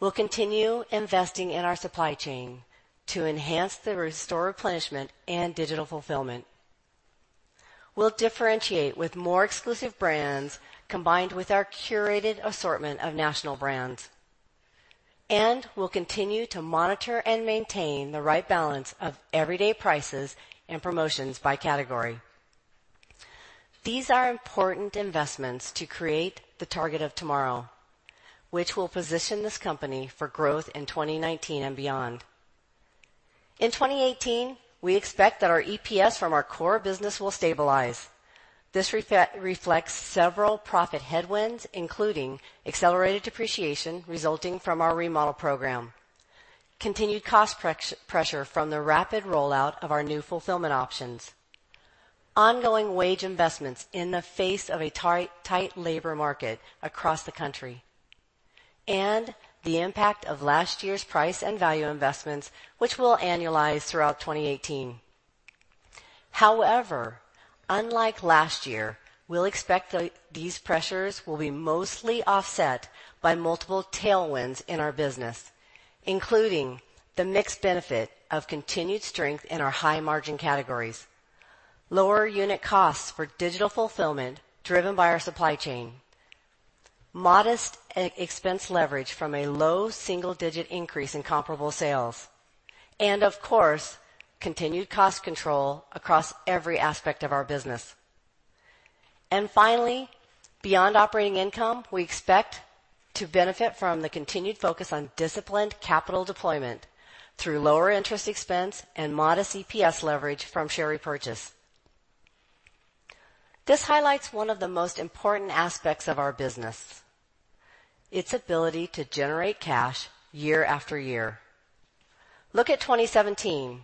We'll continue investing in our supply chain to enhance the store replenishment and digital fulfillment. We'll differentiate with more exclusive brands, combined with our curated assortment of national brands. We'll continue to monitor and maintain the right balance of everyday prices and promotions by category. These are important investments to create the Target of tomorrow, which will position this company for growth in 2019 and beyond. In 2018, we expect that our EPS from our core business will stabilize. This reflects several profit headwinds, including accelerated depreciation resulting from our remodel program. Continued cost pressure from the rapid rollout of our new fulfillment options. Ongoing wage investments in the face of a tight labor market across the country. The impact of last year's price and value investments, which will annualize throughout 2018. Unlike last year, we'll expect these pressures will be mostly offset by multiple tailwinds in our business, including the mixed benefit of continued strength in our high-margin categories. Lower unit costs for digital fulfillment driven by our supply chain. Modest expense leverage from a low single-digit increase in comparable sales. Of course, continued cost control across every aspect of our business. Finally, beyond operating income, we expect to benefit from the continued focus on disciplined capital deployment through lower interest expense and modest EPS leverage from share repurchase. This highlights one of the most important aspects of our business, its ability to generate cash year after year. Look at 2017.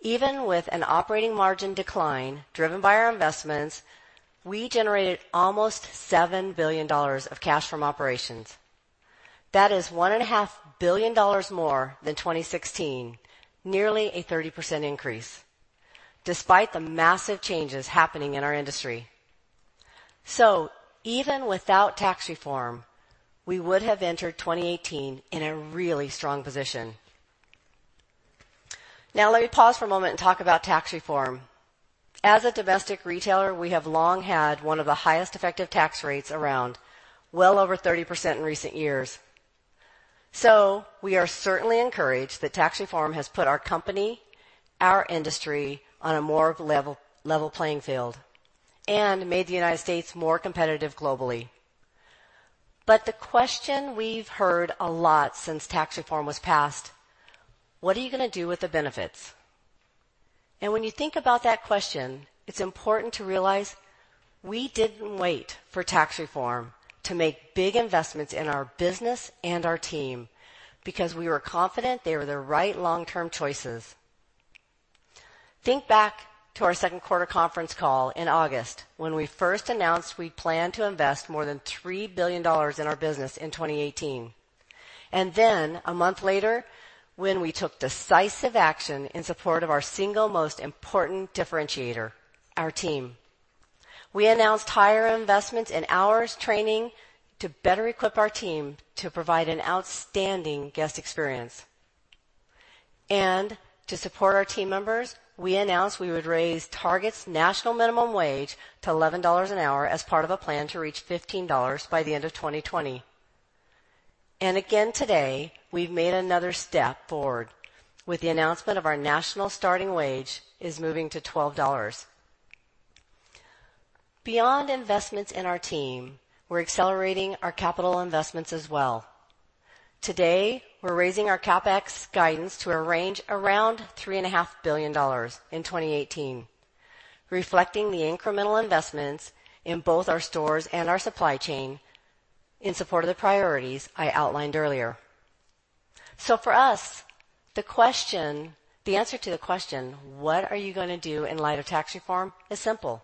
Even with an operating margin decline driven by our investments, we generated almost $7 billion of cash from operations. That is $1.5 billion more than 2016, nearly a 30% increase, despite the massive changes happening in our industry. Even without tax reform, we would have entered 2018 in a really strong position. Let me pause for a moment and talk about tax reform. As a domestic retailer, we have long had one of the highest effective tax rates around, well over 30% in recent years. We are certainly encouraged that tax reform has put our company, our industry, on a more level playing field and made the United States more competitive globally. The question we've heard a lot since tax reform was passed: What are you going to do with the benefits? When you think about that question, it's important to realize we didn't wait for tax reform to make big investments in our business and our team because we were confident they were the right long-term choices. Think back to our second quarter conference call in August when we first announced we plan to invest more than $3 billion in our business in 2018. A month later, when we took decisive action in support of our single most important differentiator, our team. We announced higher investments in hours training to better equip our team to provide an outstanding guest experience. To support our team members, we announced we would raise Target's national minimum wage to $11 an hour as part of a plan to reach $15 by the end of 2020. Again today, we've made another step forward with the announcement of our national starting wage is moving to $12. Beyond investments in our team, we're accelerating our capital investments as well. Today, we're raising our CapEx guidance to a range around $3.5 billion in 2018, reflecting the incremental investments in both our stores and our supply chain in support of the priorities I outlined earlier. For us, the answer to the question, what are you going to do in light of tax reform, is simple.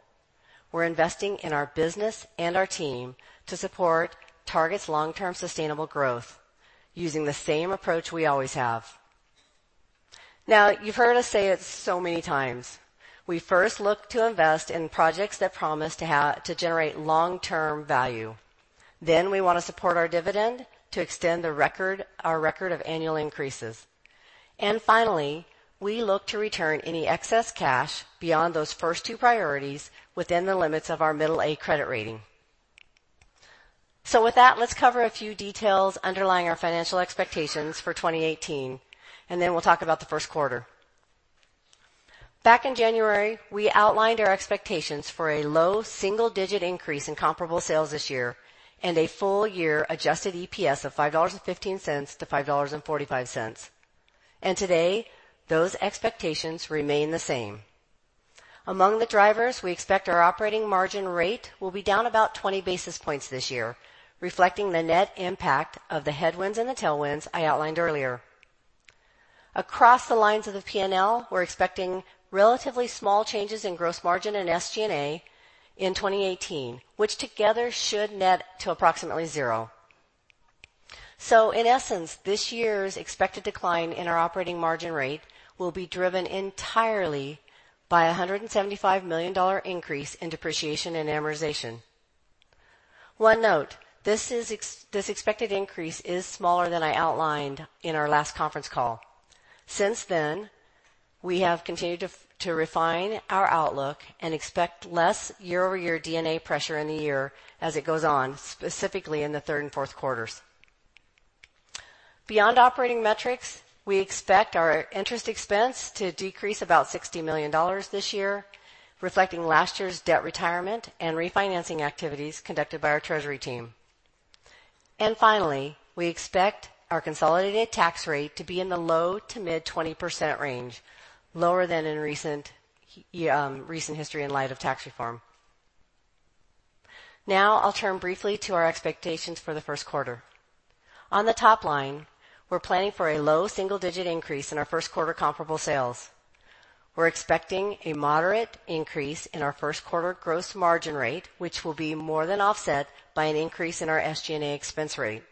We're investing in our business and our team to support Target's long-term sustainable growth using the same approach we always have. You've heard us say it so many times. We first look to invest in projects that promise to generate long-term value. We want to support our dividend to extend our record of annual increases. Finally, we look to return any excess cash beyond those first two priorities within the limits of our middle A credit rating. With that, let's cover a few details underlying our financial expectations for 2018, and then we'll talk about the first quarter. Back in January, we outlined our expectations for a low single-digit increase in comparable sales this year and a full-year adjusted EPS of $5.15-$5.45. Today, those expectations remain the same. Among the drivers, we expect our operating margin rate will be down 20 basis points this year, reflecting the net impact of the headwinds and the tailwinds I outlined earlier. Across the lines of the P&L, we are expecting relatively small changes in gross margin and SG&A in 2018, which together should net to approximately zero. In essence, this year's expected decline in our operating margin rate will be driven entirely by a $175 million increase in depreciation and amortization. One note, this expected increase is smaller than I outlined in our last conference call. Since then, we have continued to refine our outlook and expect less year-over-year D&A pressure in the year as it goes on, specifically in the third and fourth quarters. Beyond operating metrics, we expect our interest expense to decrease $60 million this year, reflecting last year's debt retirement and refinancing activities conducted by our treasury team. Finally, we expect our consolidated tax rate to be in the low to mid 20% range, lower than in recent history in light of tax reform. I will turn briefly to our expectations for the first quarter. On the top line, we are planning for a low single-digit increase in our first quarter comparable sales. We are expecting a moderate increase in our first quarter gross margin rate, which will be more than offset by an increase in our SG&A expense rate.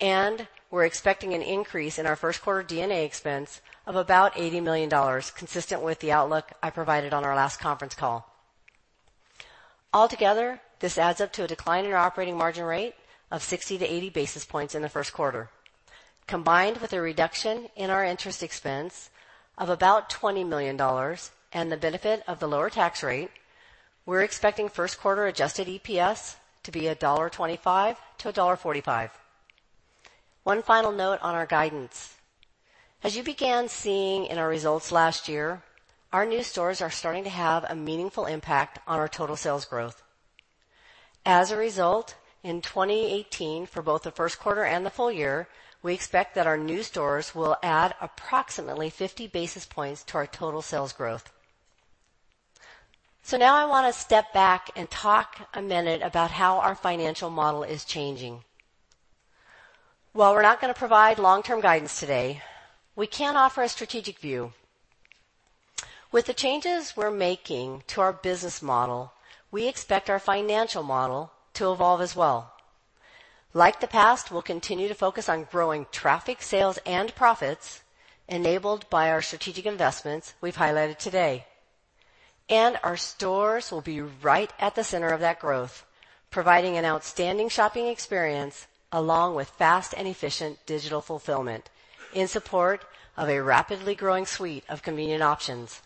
We are expecting an increase in our first quarter D&A expense of $80 million, consistent with the outlook I provided on our last conference call. Altogether, this adds up to a decline in our operating margin rate of 60-80 basis points in the first quarter. Combined with a reduction in our interest expense of $20 million and the benefit of the lower tax rate, we are expecting first quarter adjusted EPS to be $1.25-$1.45. Final note on our guidance. As you began seeing in our results last year, our new stores are starting to have a meaningful impact on our total sales growth. As a result, in 2018, for both the first quarter and the full year, we expect that our new stores will add 50 basis points to our total sales growth. Now I want to step back and talk a minute about how our financial model is changing. While we are not going to provide long-term guidance today, we can offer a strategic view. With the changes we are making to our business model, we expect our financial model to evolve as well. Like the past, we will continue to focus on growing traffic, sales, and profits enabled by our strategic investments we have highlighted today. Our stores will be right at the center of that growth, providing an outstanding shopping experience along with fast and efficient digital fulfillment in support of a rapidly growing suite of convenient options.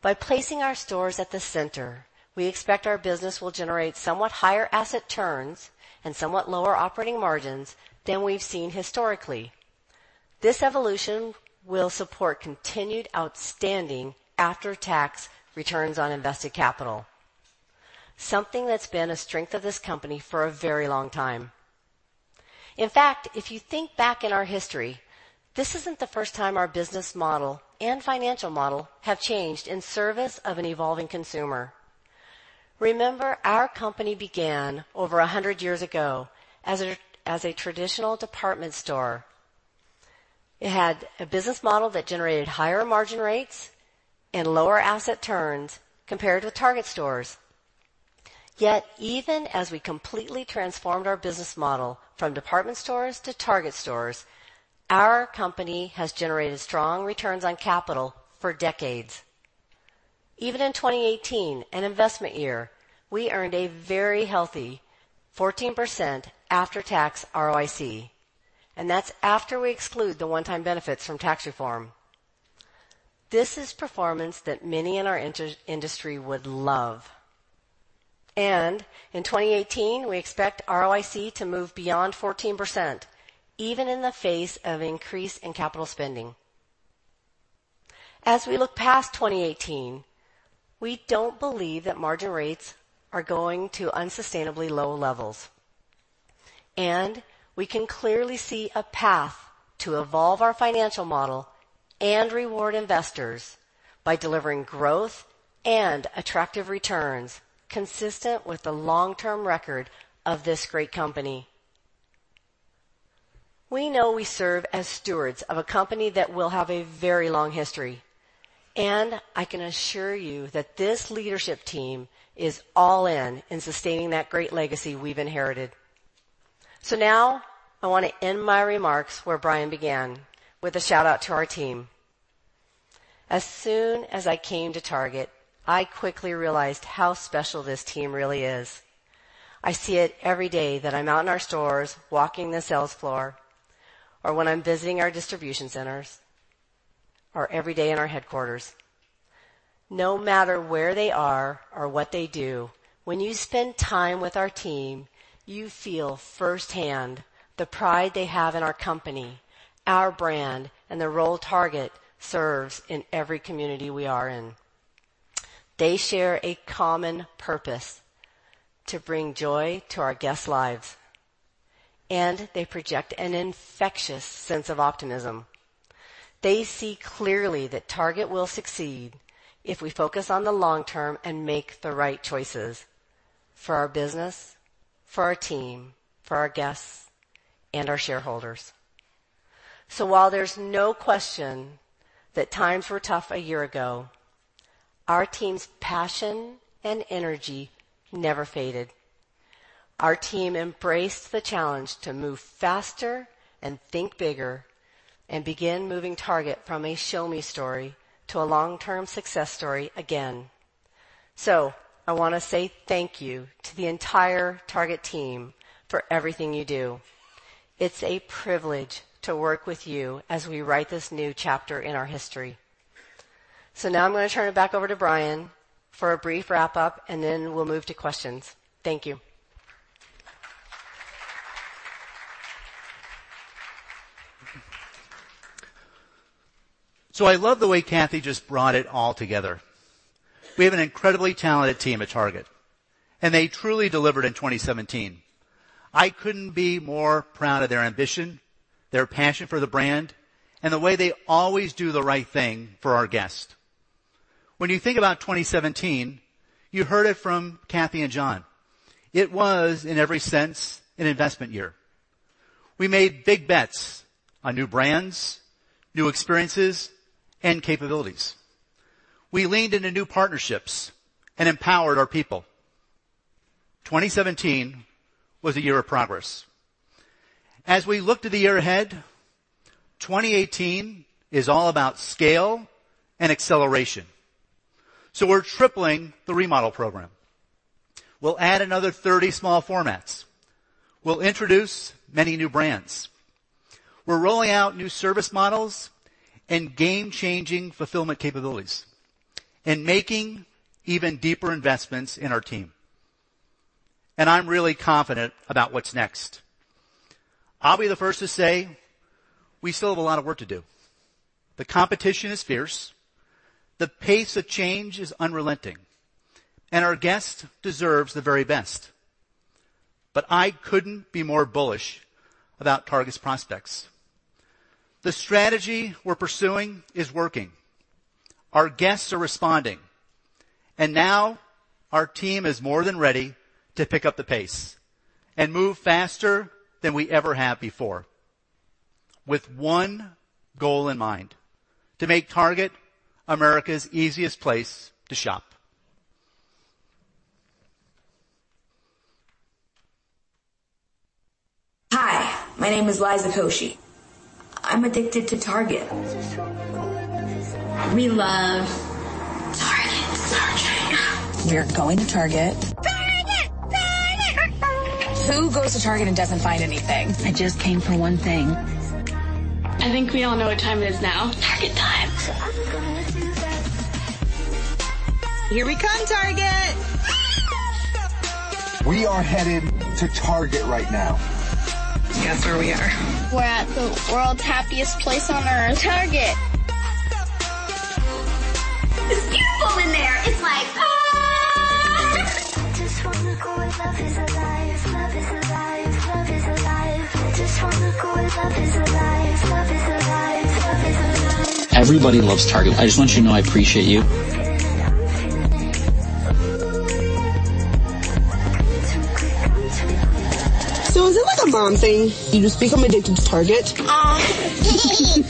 By placing our stores at the center, we expect our business will generate somewhat higher asset turns and somewhat lower operating margins than we have seen historically. This evolution will support continued outstanding after-tax returns on invested capital, something that has been a strength of this company for a very long time. In fact, if you think back in our history, this isn't the first time our business model and financial model have changed in service of an evolving consumer. Remember, our company began over 100 years ago as a traditional department store. It had a business model that generated higher margin rates and lower asset turns compared with Target stores. Yet even as we completely transformed our business model from department stores to Target stores, our company has generated strong returns on capital for decades. Even in 2018, an investment year, we earned a very healthy 14% after-tax ROIC, and that's after we exclude the one-time benefits from tax reform. This is performance that many in our industry would love. In 2018, we expect ROIC to move beyond 14%, even in the face of increase in capital spending. As we look past 2018, we don't believe that margin rates are going to unsustainably low levels, and we can clearly see a path to evolve our financial model and reward investors by delivering growth and attractive returns consistent with the long-term record of this great company. We know we serve as stewards of a company that will have a very long history, and I can assure you that this leadership team is all in in sustaining that great legacy we've inherited. Now I want to end my remarks where Brian began, with a shout-out to our team. As soon as I came to Target, I quickly realized how special this team really is. I see it every day that I'm out in our stores walking the sales floor, or when I'm visiting our distribution centers, or every day in our headquarters. No matter where they are or what they do, when you spend time with our team, you feel firsthand the pride they have in our company, our brand, and the role Target serves in every community we are in. They share a common purpose to bring joy to our guests' lives, and they project an infectious sense of optimism. They see clearly that Target will succeed if we focus on the long term and make the right choices for our business, for our team, for our guests, and our shareholders. While there's no question that times were tough a year ago, our team's passion and energy never faded. Our team embraced the challenge to move faster and think bigger and begin moving Target from a show-me story to a long-term success story again. I want to say thank you to the entire Target team for everything you do. It's a privilege to work with you as we write this new chapter in our history. Now I'm going to turn it back over to Brian for a brief wrap-up, and then we'll move to questions. Thank you. I love the way Cathy just brought it all together. We have an incredibly talented team at Target, and they truly delivered in 2017. I couldn't be more proud of their ambition, their passion for the brand, and the way they always do the right thing for our guests. When you think about 2017, you heard it from Cathy and John. It was, in every sense, an investment year. We made big bets on new brands, new experiences, and capabilities. We leaned into new partnerships and empowered our people. 2017 was a year of progress. As we look to the year ahead, 2018 is all about scale and acceleration. We're tripling the remodel program. We'll add another 30 small formats. We'll introduce many new brands. We're rolling out new service models and game-changing fulfillment capabilities and making even deeper investments in our team. I'm really confident about what's next. I'll be the first to say we still have a lot of work to do. The competition is fierce, the pace of change is unrelenting, and our guest deserves the very best. I couldn't be more bullish about Target's prospects. The strategy we're pursuing is working. Our guests are responding, and now our team is more than ready to pick up the pace and move faster than we ever have before with one goal in mind, to make Target America's easiest place to shop. Hi, my name is Liza Koshy. I'm addicted to Target. We love Target so much. We are going to Target. Who goes to Target and doesn't find anything? I just came for one thing. I think we all know what time it is now. Target time. I'm going to that. Here we come, Target. We are headed to Target right now. Guess where we are. We're at the world's happiest place on Earth, Target. It's like, "Ah!" I just wanna go where love is alive. Love is alive. Love is alive. I just wanna go where love is alive. Love is alive. Love is alive. Everybody loves Target. I just want you to know I appreciate you. I'm feeling it. I'm feeling it. Ooh. Too quick. Is it like a mom thing? You just become addicted to Target. Aw. I just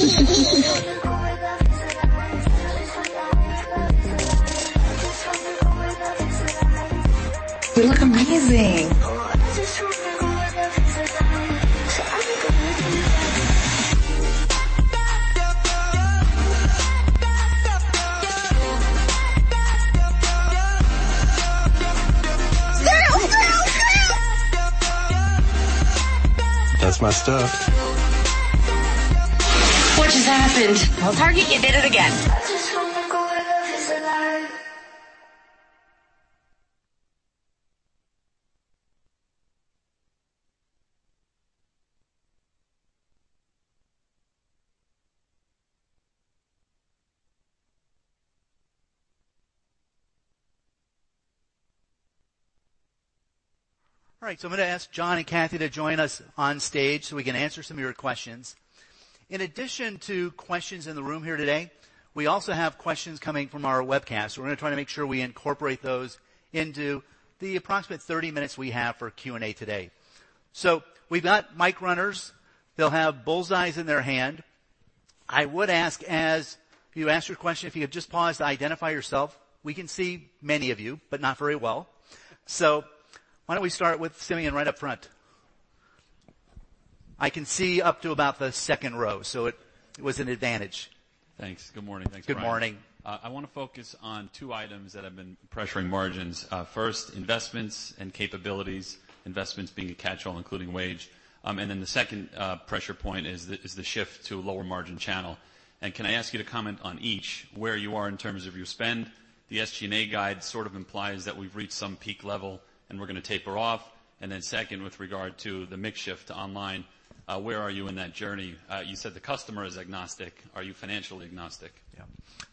wanna go where love is alive. I just wanna go where love is alive. I just wanna go where love is alive. You look amazing. Oh, I just wanna go where love is alive. I'm going to that. Girl, girl. That's my stuff. What just happened? Well, Target, you did it again. I just wanna go where love is alive. All right, I'm going to ask John and Cathy to join us on stage so we can answer some of your questions. In addition to questions in the room here today, we also have questions coming from our webcast. We're going to try to make sure we incorporate those into the approximate 30 minutes we have for Q&A today. We've got mic runners. They'll have bullseyes in their hand. I would ask as you ask your question, if you could just pause to identify yourself. We can see many of you, but not very well. Why don't we start with Simeon right up front? I can see up to about the second row. It was an advantage. Thanks. Good morning. Thanks, Brian. Good morning. I want to focus on two items that have been pressuring margins. First, investments and capabilities, investments being a catchall, including wage. The second pressure point is the shift to a lower margin channel. Can I ask you to comment on each, where you are in terms of your spend? The SG&A guide sort of implies that we've reached some peak level, and we're going to taper off. Then second, with regard to the mix shift to online, where are you in that journey? You said the customer is agnostic. Are you financially agnostic?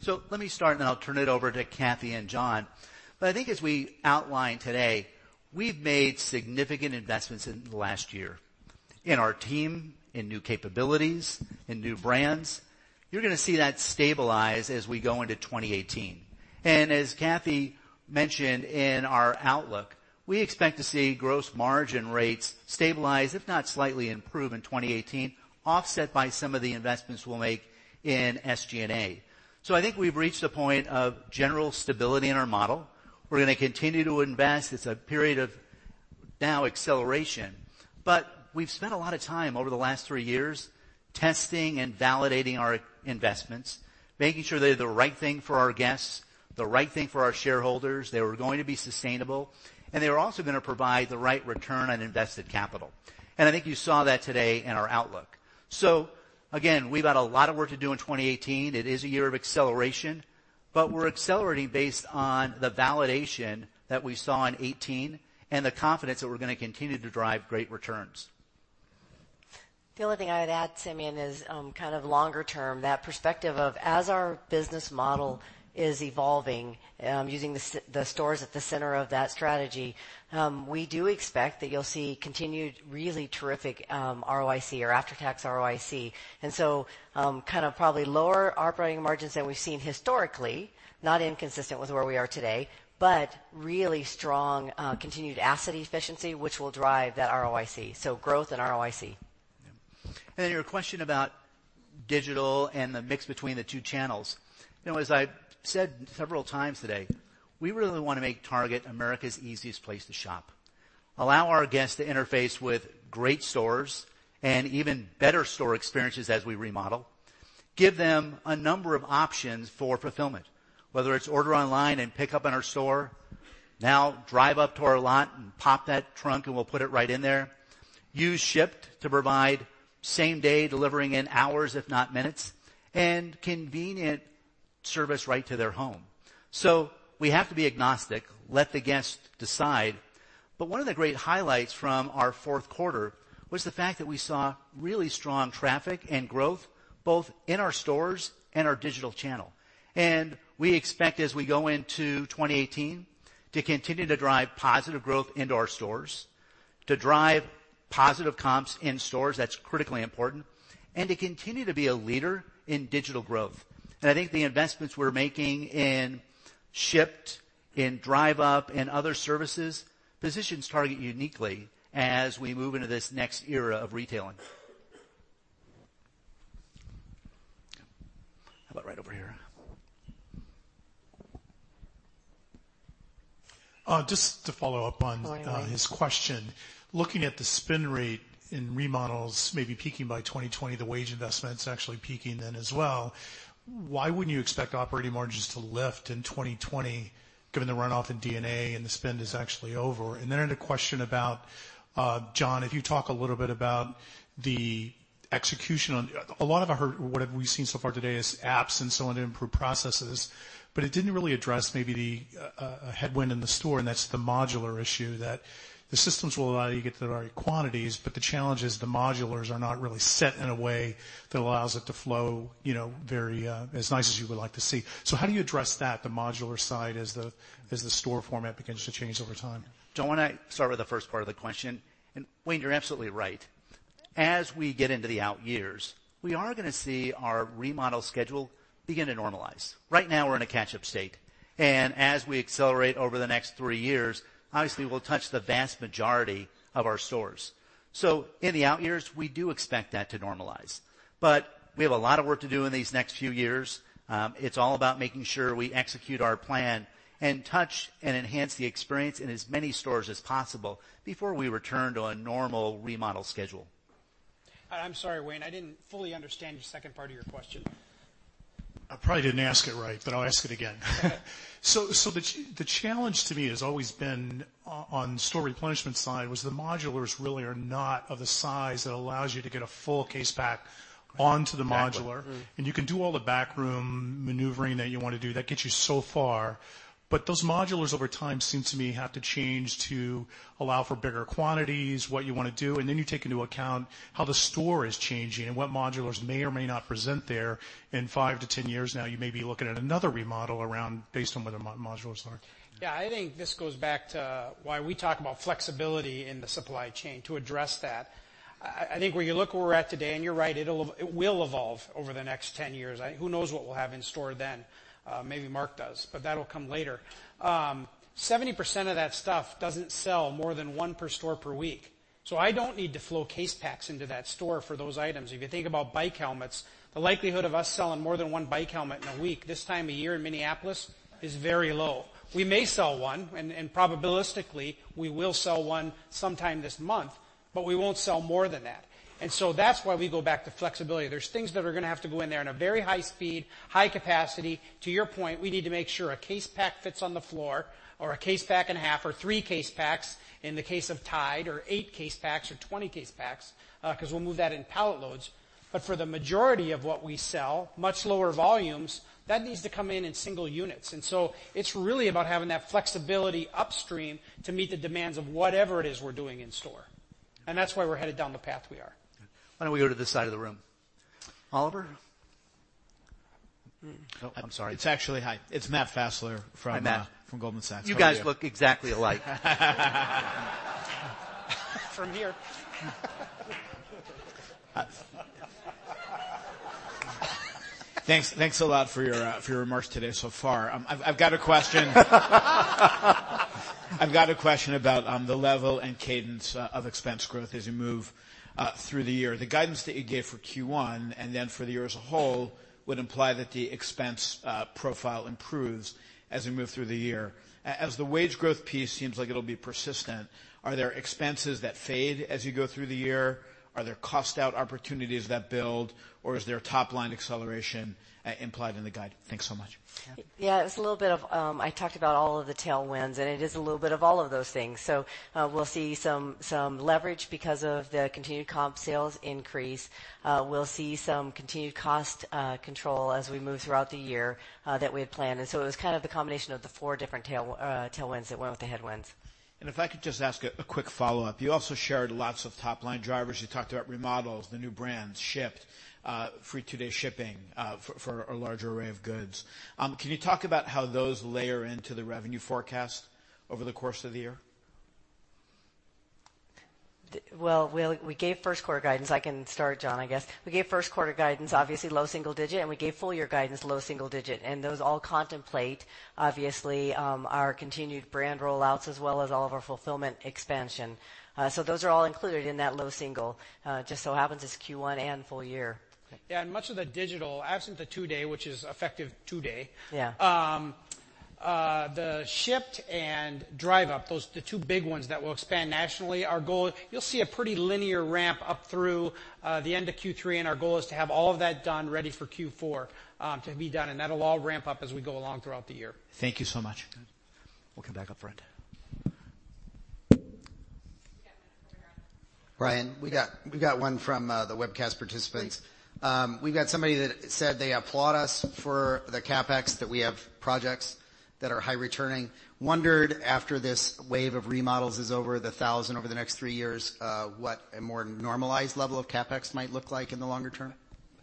Yeah. Let me start, and then I'll turn it over to Cathy and John. I think as we outlined today, we've made significant investments in the last year in our team, in new capabilities, in new brands. You're going to see that stabilize as we go into 2018. As Cathy mentioned in our outlook, we expect to see gross margin rates stabilize, if not slightly improve in 2018, offset by some of the investments we'll make in SG&A. I think we've reached a point of general stability in our model. We're going to continue to invest. It's a period of now acceleration. We've spent a lot of time over the last three years testing and validating our investments, making sure they're the right thing for our guests, the right thing for our shareholders, they were going to be sustainable, and they were also going to provide the right return on invested capital. I think you saw that today in our outlook. Again, we've got a lot of work to do in 2018. It is a year of acceleration, but we're accelerating based on the validation that we saw in 2018 and the confidence that we're going to continue to drive great returns. The only thing I would add, Simeon, is kind of longer term, that perspective of as our business model is evolving, using the stores at the center of that strategy, we do expect that you'll see continued really terrific ROIC or after-tax ROIC. Kind of probably lower operating margins than we've seen historically, not inconsistent with where we are today, but really strong continued asset efficiency, which will drive that ROIC. Growth and ROIC. Yeah. Then your question about digital and the mix between the two channels. As I've said several times today, we really want to make Target America's easiest place to shop, allow our guests to interface with great stores and even better store experiences as we remodel, give them a number of options for fulfillment, whether it's order online and pick up in our store, now Drive Up to our lot and pop that trunk and we'll put it right in there, use Shipt to provide same-day delivery in hours if not minutes, and convenient service right to their home. We have to be agnostic, let the guest decide. One of the great highlights from our fourth quarter was the fact that we saw really strong traffic and growth, both in our stores and our digital channel. We expect as we go into 2018 to continue to drive positive growth into our stores, to drive positive comps in stores, that's critically important, to continue to be a leader in digital growth. I think the investments we're making in Shipt, in Drive Up, and other services positions Target uniquely as we move into this next era of retailing. How about right over here? Just to follow up on his question. Looking at the spend rate in remodels maybe peaking by 2020, the wage investment's actually peaking then as well. Why wouldn't you expect operating margins to lift in 2020 given the runoff in D&A and the spend is actually over? I had a question about, John, if you talk a little bit about the execution on. A lot of what we've seen so far today is apps and so on to improve processes, but it didn't really address maybe the headwind in the store, and that's the modular issue that the systems will allow you to get the right quantities, but the challenge is the modulars are not really set in a way that allows it to flow as nice as you would like to see. How do you address that, the modular side, as the store format begins to change over time? John, I want to start with the first part of the question. Wayne, you're absolutely right. As we get into the out years, we are going to see our remodel schedule begin to normalize. Right now we're in a catch-up state, and as we accelerate over the next three years, obviously we'll touch the vast majority of our stores. In the out years, we do expect that to normalize, but we have a lot of work to do in these next few years. It's all about making sure we execute our plan and touch and enhance the experience in as many stores as possible before we return to a normal remodel schedule. I'm sorry, Wayne, I didn't fully understand your second part of your question. I probably didn't ask it right, but I'll ask it again. The challenge to me has always been on store replenishment side was the modulars really are not of the size that allows you to get a full case pack onto the modular. You can do all the back room maneuvering that you want to do. That gets you so far, those modulars over time seem to me have to change to allow for bigger quantities, what you want to do, then you take into account how the store is changing and what modulars may or may not present there in five to 10 years. Now you may be looking at another remodel around based on where the modulars are. Yeah, I think this goes back to why we talk about flexibility in the supply chain to address that. I think when you look where we're at today, and you're right, it will evolve over the next 10 years. Who knows what we'll have in store then. Maybe Mark does. That'll come later. 70% of that stuff doesn't sell more than one per store per week. I don't need to flow case packs into that store for those items. If you think about bike helmets, the likelihood of us selling more than one bike helmet in a week this time of year in Minneapolis is very low. We may sell one, and probabilistically, we will sell one sometime this month, but we won't sell more than that. That's why we go back to flexibility. There's things that are going to have to go in there in a very high speed, high capacity. To your point, we need to make sure a case pack fits on the floor or a case pack and a half or three case packs in the case of Tide, or eight case packs or 20 case packs, because we'll move that in pallet loads. For the majority of what we sell, much lower volumes, that needs to come in in single units. It's really about having that flexibility upstream to meet the demands of whatever it is we're doing in store. That's why we're headed down the path we are. Why don't we go to this side of the room? Oliver? Oh, I'm sorry. It's actually Hi. It's Matt Fassler from- Hi, Matt from Goldman Sachs. You guys look exactly alike. From here. Thanks a lot for your remarks today so far. I've got a question. I've got a question about the level and cadence of expense growth as you move through the year. The guidance that you gave for Q1 and then for the year as a whole would imply that the expense profile improves as we move through the year. As the wage growth piece seems like it'll be persistent, are there expenses that fade as you go through the year? Are there cost out opportunities that build, or is there top-line acceleration implied in the guide? Thanks so much. Yeah, it was a little bit of I talked about all of the tailwinds, it is a little bit of all of those things. We'll see some leverage because of the continued comp sales increase. We'll see some continued cost control as we move throughout the year that we had planned. It was kind of the combination of the four different tailwinds that went with the headwinds. If I could just ask a quick follow-up. You also shared lots of top-line drivers. You talked about remodels, the new brands, Shipt, free two-day shipping for a larger array of goods. Can you talk about how those layer into the revenue forecast over the course of the year? Well, we gave first quarter guidance. I can start, John, I guess. We gave first quarter guidance, obviously low single digit, and we gave full year guidance low single digit. Those all contemplate, obviously, our continued brand rollouts as well as all of our fulfillment expansion. Those are all included in that low single. Just so happens it's Q1 and full year. Yeah, much of the digital, absent the two-day, which is effective today. Yeah. The Shipt and Drive Up, the two big ones that we'll expand nationally, you'll see a pretty linear ramp up through the end of Q3. Our goal is to have all of that done ready for Q4 to be done, that'll all ramp up as we go along throughout the year. Thank you so much. We'll come back up front. Brian, we got one from the webcast participants. Great. We've got somebody that said they applaud us for the CapEx, that we have projects that are high returning. Wondered after this wave of remodels is over, the 1,000 over the next three years, what a more normalized level of CapEx might look like in the longer term?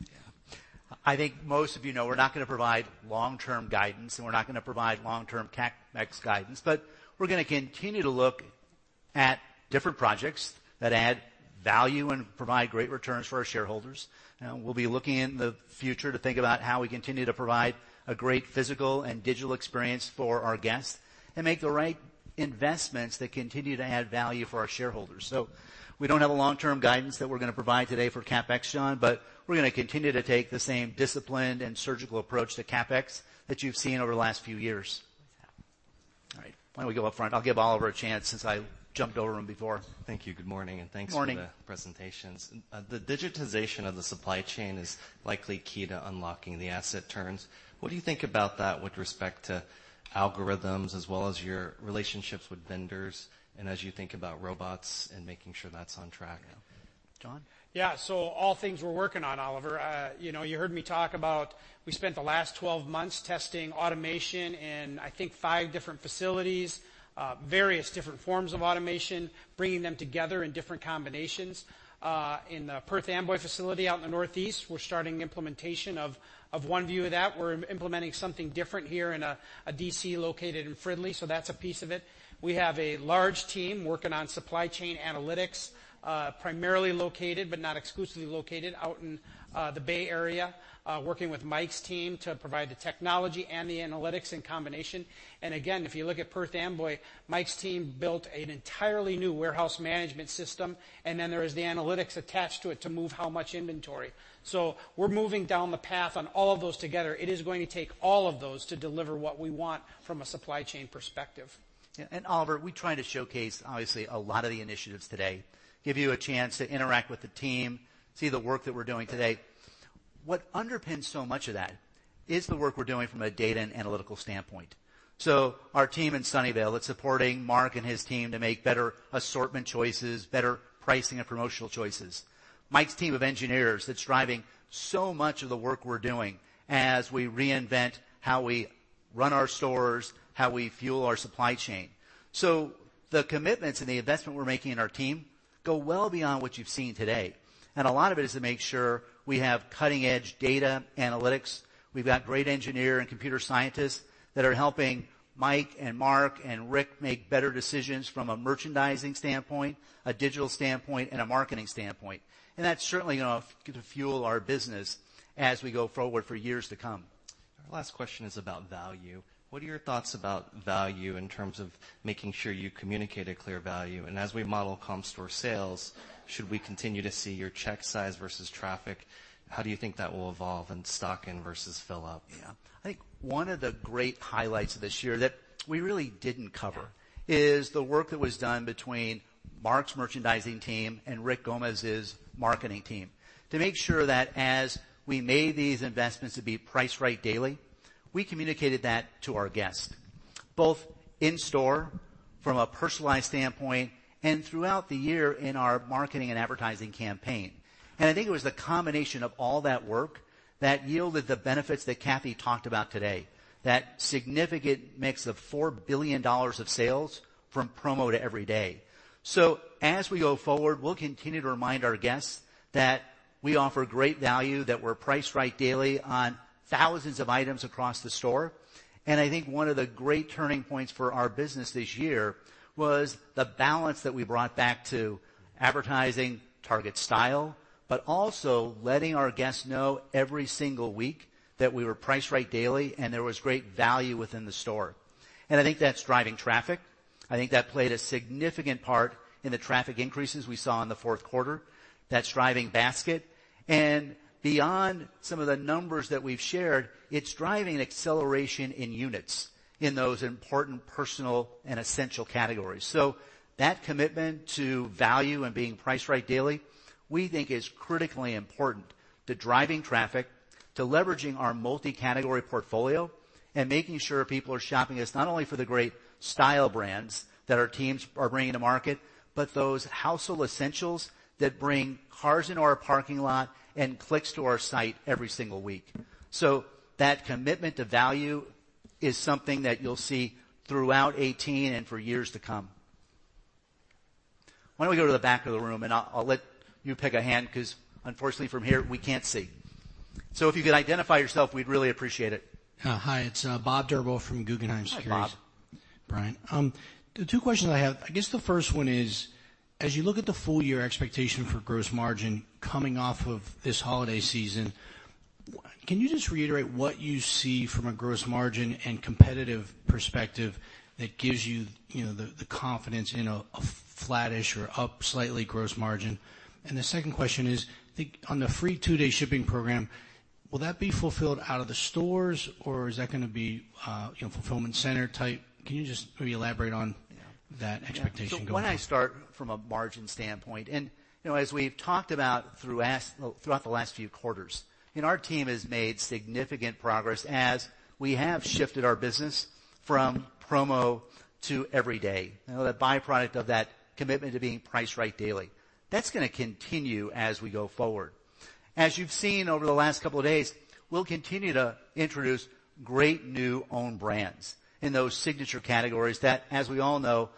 Yeah. I think most of you know we're not going to provide long-term guidance, and we're not going to provide long-term CapEx guidance. We're going to continue to look at different projects that add value and provide great returns for our shareholders. We'll be looking in the future to think about how we continue to provide a great physical and digital experience for our guests and make the right investments that continue to add value for our shareholders. We don't have a long-term guidance that we're going to provide today for CapEx, John, but we're going to continue to take the same disciplined and surgical approach to CapEx that you've seen over the last few years. Why don't we go up front? I'll give Oliver a chance since I jumped over him before. Thank you. Good morning, and thanks- Morning Thanks for the presentations. The digitization of the supply chain is likely key to unlocking the asset turns. What do you think about that with respect to algorithms as well as your relationships with vendors and as you think about robots and making sure that's on track? John? Yeah. All things we're working on, Oliver. You heard me talk about we spent the last 12 months testing automation in, I think, five different facilities, various different forms of automation, bringing them together in different combinations. In the Perth Amboy facility out in the northeast, we're starting implementation of one view of that. We're implementing something different here in a DC located in Fridley, that's a piece of it. We have a large team working on supply chain analytics, primarily located, but not exclusively located, out in the Bay Area, working with Mike's team to provide the technology and the analytics in combination. And again, if you look at Perth Amboy, Mike's team built an entirely new warehouse management system, and then there is the analytics attached to it to move how much inventory. We're moving down the path on all of those together. It is going to take all of those to deliver what we want from a supply chain perspective. Oliver, we try to showcase, obviously, a lot of the initiatives today, give you a chance to interact with the team, see the work that we're doing today. What underpins so much of that is the work we're doing from a data and analytical standpoint. Our team in Sunnyvale that's supporting Mark and his team to make better assortment choices, better pricing and promotional choices. Mike's team of engineers that's driving so much of the work we're doing as we reinvent how we run our stores, how we fuel our supply chain. The commitments and the investment we're making in our team go well beyond what you've seen today. A lot of it is to make sure we have cutting-edge data analytics. We've got great engineer and computer scientists that are helping Mike and Mark and Rick make better decisions from a merchandising standpoint, a digital standpoint, and a marketing standpoint. That's certainly going to fuel our business as we go forward for years to come. Our last question is about value. What are your thoughts about value in terms of making sure you communicate a clear value? As we model comp store sales, should we continue to see your check size versus traffic? How do you think that will evolve, and stock in versus fill up? Yeah. I think one of the great highlights of this year that we really didn't cover is the work that was done between Mark's merchandising team and Rick Gomez's marketing team to make sure that as we made these investments to be priced right daily, we communicated that to our guests, both in-store from a personalized standpoint and throughout the year in our marketing and advertising campaign. I think it was the combination of all that work that yielded the benefits that Cathy talked about today, that significant mix of $4 billion of sales from promo to every day. As we go forward, we'll continue to remind our guests that we offer great value, that we're priced right daily on thousands of items across the store. I think one of the great turning points for our business this year was the balance that we brought back to advertising Target style, but also letting our guests know every single week that we were priced right daily and there was great value within the store. I think that's driving traffic. I think that played a significant part in the traffic increases we saw in the fourth quarter. That's driving basket. Beyond some of the numbers that we've shared, it's driving acceleration in units in those important personal and essential categories. That commitment to value and being priced right daily, we think is critically important to driving traffic, to leveraging our multi-category portfolio, and making sure people are shopping us not only for the great style brands that our teams are bringing to market, but those household essentials that bring cars into our parking lot and clicks to our site every single week. That commitment to value is something that you'll see throughout 2018 and for years to come. Why don't we go to the back of the room, and I'll let you pick a hand because, unfortunately, from here, we can't see. If you could identify yourself, we'd really appreciate it. Hi, it's Bob Drbul from Guggenheim Securities. Hi, Bob. Brian. The two questions I have, I guess the first one is, as you look at the full-year expectation for gross margin coming off of this holiday season, can you just reiterate what you see from a gross margin and competitive perspective that gives you the confidence in a flattish or up slightly gross margin? The second question is, on the free two-day shipping program, will that be fulfilled out of the stores, or is that gonna be fulfillment center type? Can you just maybe elaborate on that expectation going forward? Why don't I start from a margin standpoint. As we've talked about throughout the last few quarters, our team has made significant progress as we have shifted our business from promo to every day. The byproduct of that commitment to being priced right daily. That's gonna continue as we go forward. As you've seen over the last couple of days, we'll continue to introduce great new own brands in those signature categories that, as we all know,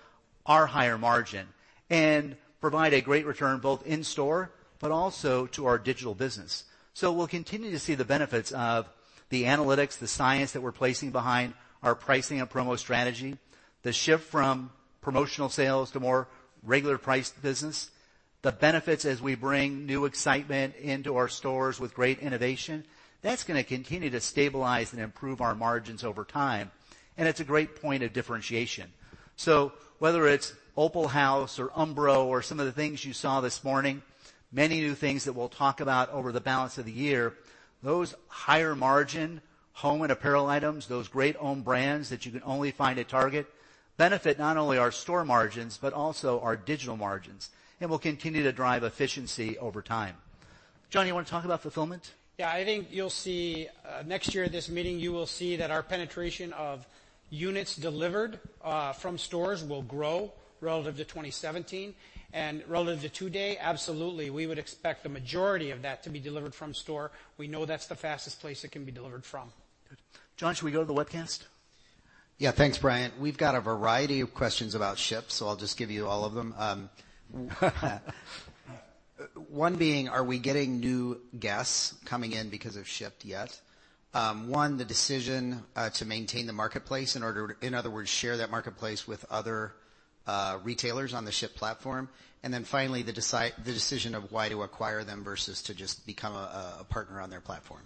are higher margin and provide a great return both in store but also to our digital business. We'll continue to see the benefits of the analytics, the science that we're placing behind our pricing and promo strategy, the shift from promotional sales to more regular priced business, the benefits as we bring new excitement into our stores with great innovation. That's gonna continue to stabilize and improve our margins over time, and it's a great point of differentiation. Whether it's Opalhouse or Umbro or some of the things you saw this morning, many new things that we'll talk about over the balance of the year, those higher margin Home and Apparel items, those great own brands that you can only find at Target, benefit not only our store margins, but also our digital margins and will continue to drive efficiency over time. John, you want to talk about fulfillment? I think you'll see, next year at this meeting, you will see that our penetration of units delivered from stores will grow relative to 2017. Relative to today, absolutely, we would expect the majority of that to be delivered from store. We know that's the fastest place it can be delivered from. Good. John, should we go to the webcast? Thanks, Brian. We've got a variety of questions about Shipt, I'll just give you all of them. One being, are we getting new guests coming in because of Shipt yet? One, the decision to maintain the marketplace in order to, in other words, share that marketplace with other retailers on the Shipt platform. Then finally, the decision of why to acquire them versus to just become a partner on their platform.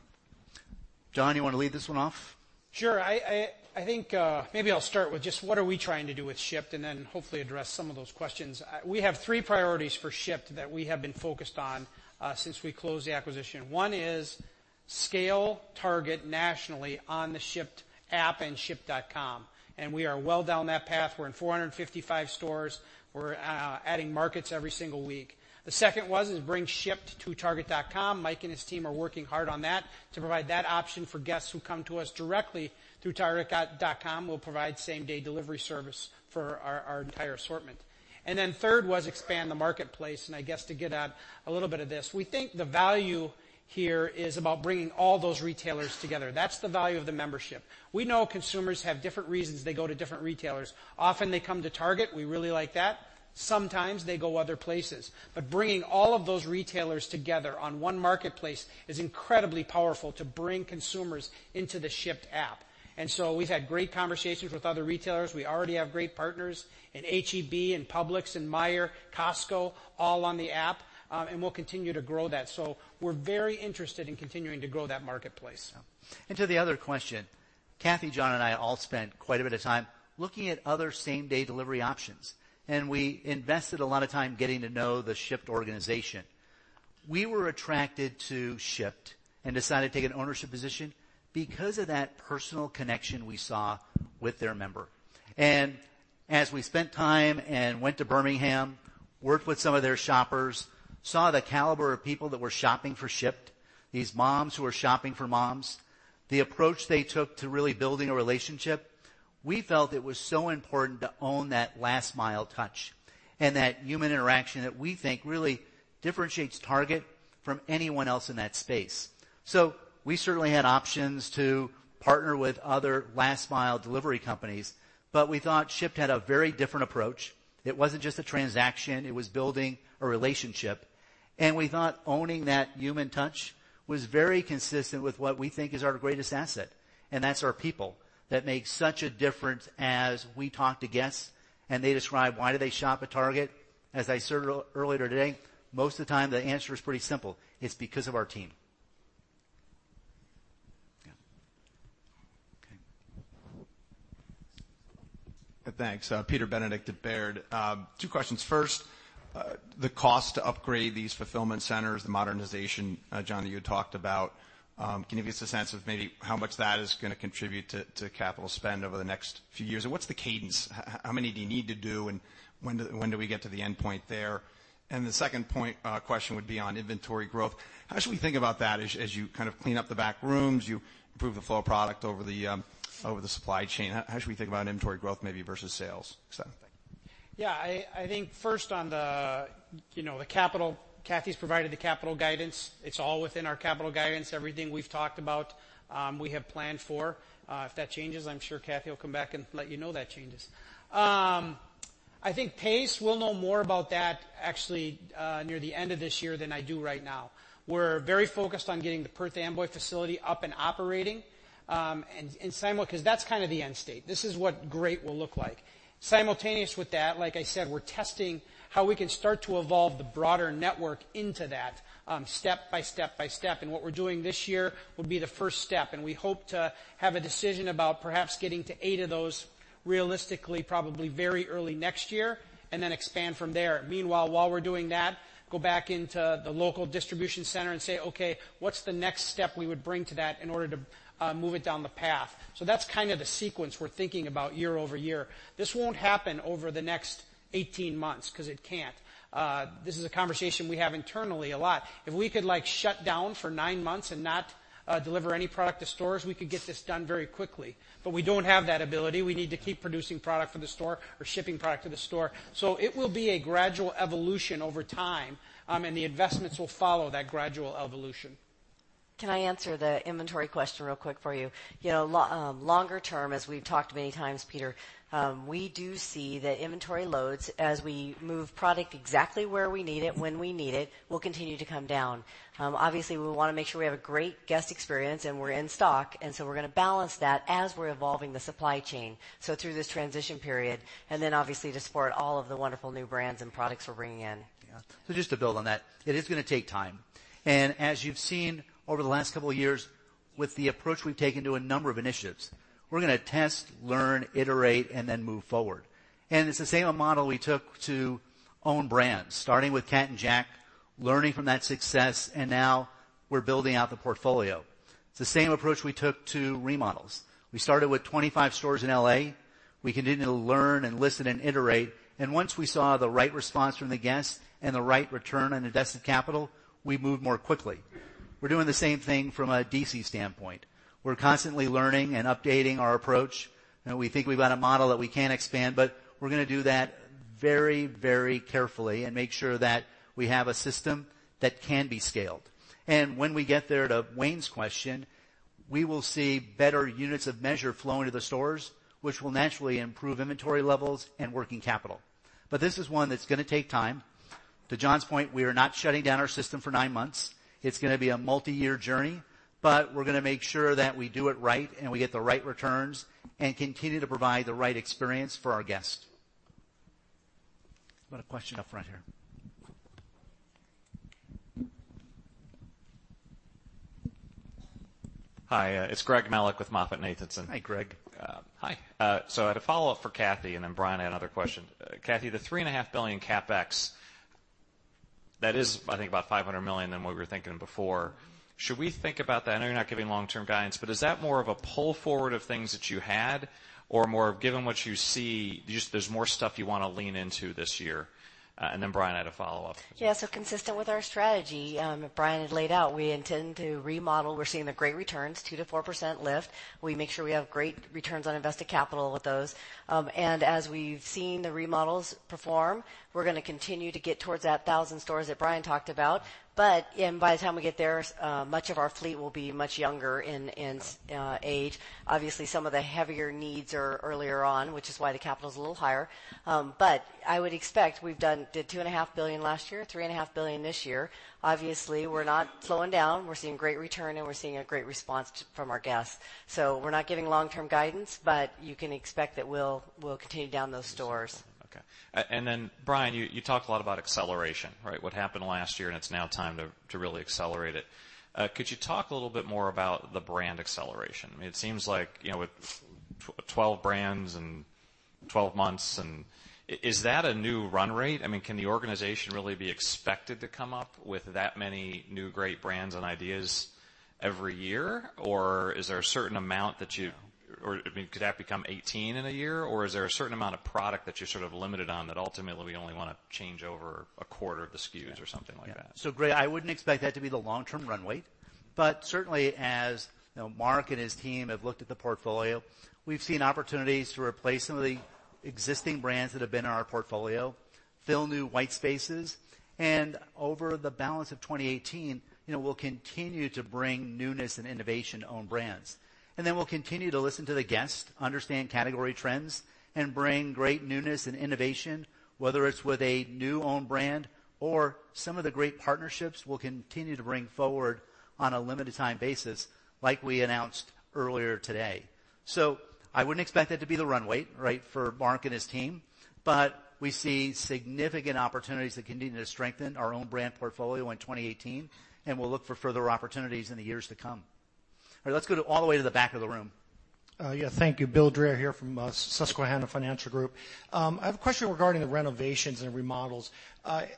John, you want to lead this one off? Sure. I think maybe I'll start with just what are we trying to do with Shipt, then hopefully address some of those questions. We have three priorities for Shipt that we have been focused on since we closed the acquisition. One is scale Target nationally on the Shipt app and shipt.com, we are well down that path. We're in 455 stores. We're adding markets every single week. The second was bring Shipt to target.com. Mike and his team are working hard on that to provide that option for guests who come to us directly through target.com. We'll provide same-day delivery service for our entire assortment. Third was expand the marketplace. I guess to get at a little bit of this, we think the value here is about bringing all those retailers together. That's the value of the membership. We know consumers have different reasons they go to different retailers. Often, they come to Target. We really like that. Sometimes they go other places. Bringing all of those retailers together on one marketplace is incredibly powerful to bring consumers into the Shipt app. We've had great conversations with other retailers. We already have great partners in H-E-B, in Publix, in Meijer, Costco, all on the app. We'll continue to grow that. We're very interested in continuing to grow that marketplace. To the other question, Cathy, John, and I all spent quite a bit of time looking at other same-day delivery options, and we invested a lot of time getting to know the Shipt organization. We were attracted to Shipt and decided to take an ownership position because of that personal connection we saw with their member. As we spent time and went to Birmingham, worked with some of their shoppers, saw the caliber of people that were shopping for Shipt, these moms who are shopping for moms, the approach they took to really building a relationship. We felt it was so important to own that last-mile touch and that human interaction that we think really differentiates Target from anyone else in that space. So we certainly had options to partner with other last-mile delivery companies, but we thought Shipt had a very different approach. It wasn't just a transaction. It was building a relationship. We thought owning that human touch was very consistent with what we think is our greatest asset, and that's our people. That makes such a difference as we talk to guests, and they describe why do they shop at Target. As I said earlier today, most of the time, the answer is pretty simple. It's because of our team. Yeah. Okay. Thanks. Peter Benedict at Baird. Two questions. First, the cost to upgrade these fulfillment centers, the modernization, John, that you had talked about. Can you give us a sense of maybe how much that is gonna contribute to capital spend over the next few years? What's the cadence? How many do you need to do, and when do we get to the endpoint there? The second question would be on inventory growth. How should we think about that as you kind of clean up the back rooms, you improve the flow of product over the supply chain? How should we think about inventory growth maybe versus sales? Thank you. Yeah. I think first on the capital, Cathy's provided the capital guidance. It's all within our capital guidance. Everything we've talked about, we have planned for. If that changes, I'm sure Cathy will come back and let you know that changes. I think pace, we'll know more about that actually near the end of this year than I do right now. We're very focused on getting the Perth Amboy facility up and operating. That's kind of the end state. This is what great will look like. Simultaneous with that, like I said, we're testing how we can start to evolve the broader network into that step by step by step. What we're doing this year will be the first step. We hope to have a decision about perhaps getting to eight of those realistically, probably very early next year, and then expand from there. Meanwhile, while we're doing that, go back into the local distribution center and say, "Okay, what's the next step we would bring to that in order to move it down the path?" That's kind of the sequence we're thinking about year-over-year. This won't happen over the next 18 months because it can't. This is a conversation we have internally a lot. If we could shut down for nine months and not deliver any product to stores, we could get this done very quickly. We don't have that ability. We need to keep producing product for the store or shipping product to the store. It will be a gradual evolution over time. The investments will follow that gradual evolution. Can I answer the inventory question real quick for you? Longer term, as we've talked many times, Peter, we do see that inventory loads as we move product exactly where we need it, when we need it, will continue to come down. Obviously, we want to make sure we have a great guest experience, and we're in stock, and so we're going to balance that as we're evolving the supply chain, so through this transition period, and then obviously to support all of the wonderful new brands and products we're bringing in. Yeah. Just to build on that, it is gonna take time. As you've seen over the last couple of years with the approach we've taken to a number of initiatives, we're gonna test, learn, iterate, and then move forward. It's the same model we took to own brands, starting with Cat & Jack. Learning from that success, and now we're building out the portfolio. It's the same approach we took to remodels. We started with 25 stores in L.A. We continued to learn and listen and iterate. Once we saw the right response from the guests and the right return on invested capital, we moved more quickly. We're doing the same thing from a DC standpoint. We're constantly learning and updating our approach, and we think we've got a model that we can expand, but we're going to do that very carefully and make sure that we have a system that can be scaled. When we get there, to Wayne's question, we will see better units of measure flowing to the stores, which will naturally improve inventory levels and working capital. This is one that's going to take time. To John's point, we are not shutting down our system for nine months. It's going to be a multi-year journey, but we're going to make sure that we do it right and we get the right returns and continue to provide the right experience for our guests. We've got a question up front here. Hi, it's Greg Melich with MoffettNathanson. Hi, Greg. Hi. I had a follow-up for Cathy, then Brian, I had another question. Cathy, the $3.5 billion CapEx, that is, I think, about $500 million than what we were thinking before. Should we think about that— I know you're not giving long-term guidance, but is that more of a pull forward of things that you had or more of, given what you see, there's more stuff you want to lean into this year? Brian, I had a follow-up. Yeah. Consistent with our strategy that Brian had laid out, we intend to remodel. We're seeing the great returns, 2%-4% lift. We make sure we have great returns on invested capital with those. As we've seen the remodels perform, we're going to continue to get towards that 1,000 stores that Brian talked about. By the time we get there, much of our fleet will be much younger in age. Obviously, some of the heavier needs are earlier on, which is why the capital is a little higher. I would expect, we did $2.5 billion last year, $3.5 billion this year. Obviously, we're not slowing down. We're seeing great return, and we're seeing a great response from our guests. We're not giving long-term guidance, but you can expect that we'll continue down those stores. Okay. Brian, you talked a lot about acceleration, right? What happened last year, and it's now time to really accelerate it. Could you talk a little bit more about the brand acceleration? It seems like, with 12 brands and 12 months, is that a new run rate? Can the organization really be expected to come up with that many new great brands and ideas every year? Is there a certain amount that you— Could that become 18 in a year? Is there a certain amount of product that you're sort of limited on that ultimately we only want to change over a quarter of the SKUs or something like that? Greg, I wouldn't expect that to be the long-term run rate. Certainly, as Mark and his team have looked at the portfolio, we've seen opportunities to replace some of the existing brands that have been in our portfolio, fill new white spaces, and over the balance of 2018, we'll continue to bring newness and innovation to own brands. We'll continue to listen to the guests, understand category trends, and bring great newness and innovation, whether it's with a new own brand or some of the great partnerships we'll continue to bring forward on a limited time basis, like we announced earlier today. I wouldn't expect that to be the run rate, right, for Mark and his team. We see significant opportunities to continue to strengthen our own brand portfolio in 2018, and we'll look for further opportunities in the years to come. All right. Let's go to all the way to the back of the room. Yeah. Thank you. Bill Dreher here from Susquehanna Financial Group. I have a question regarding the renovations and remodels.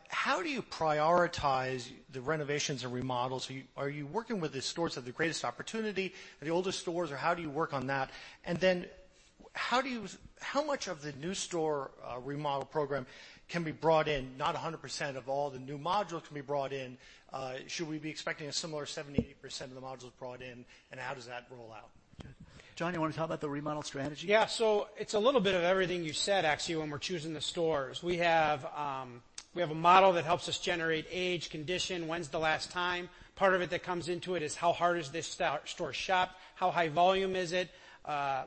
How do you prioritize the renovations and remodels? Are you working with the stores that have the greatest opportunity or the oldest stores, or how do you work on that? How much of the new store remodel program can be brought in? Not 100% of all the new modules can be brought in. Should we be expecting a similar 70%-80% of the modules brought in, and how does that roll out? John, you want to talk about the remodel strategy? It's a little bit of everything you said, actually, when we're choosing the stores. We have a model that helps us generate age, condition, when's the last time. Part of it that comes into it is how hard is this store shopped, how high volume is it,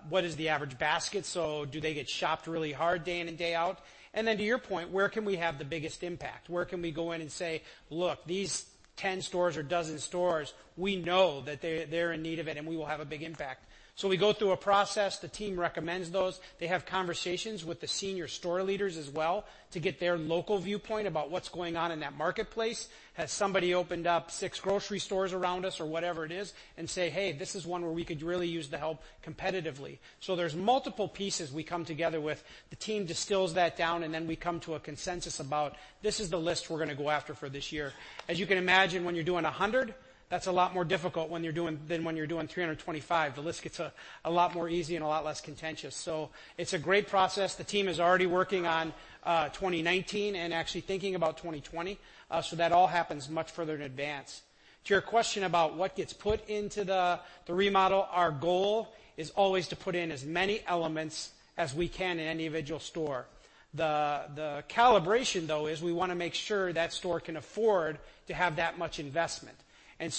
what is the average basket? Do they get shopped really hard day in and day out? To your point, where can we have the biggest impact? Where can we go in and say, "Look, these 10 stores or dozen stores, we know that they're in need of it, and we will have a big impact." We go through a process. The team recommends those. They have conversations with the senior store leaders as well to get their local viewpoint about what's going on in that marketplace. Has somebody opened up six grocery stores around us or whatever it is and say, "Hey, this is one where we could really use the help competitively." There's multiple pieces we come together with. The team distills that down, we come to a consensus about, this is the list we're going to go after for this year. As you can imagine, when you're doing 100, that's a lot more difficult than when you're doing 325. The list gets a lot more easy and a lot less contentious. It's a great process. The team is already working on 2019 and actually thinking about 2020. That all happens much further in advance. To your question about what gets put into the remodel, our goal is always to put in as many elements as we can in any individual store. The calibration, though, is we want to make sure that store can afford to have that much investment.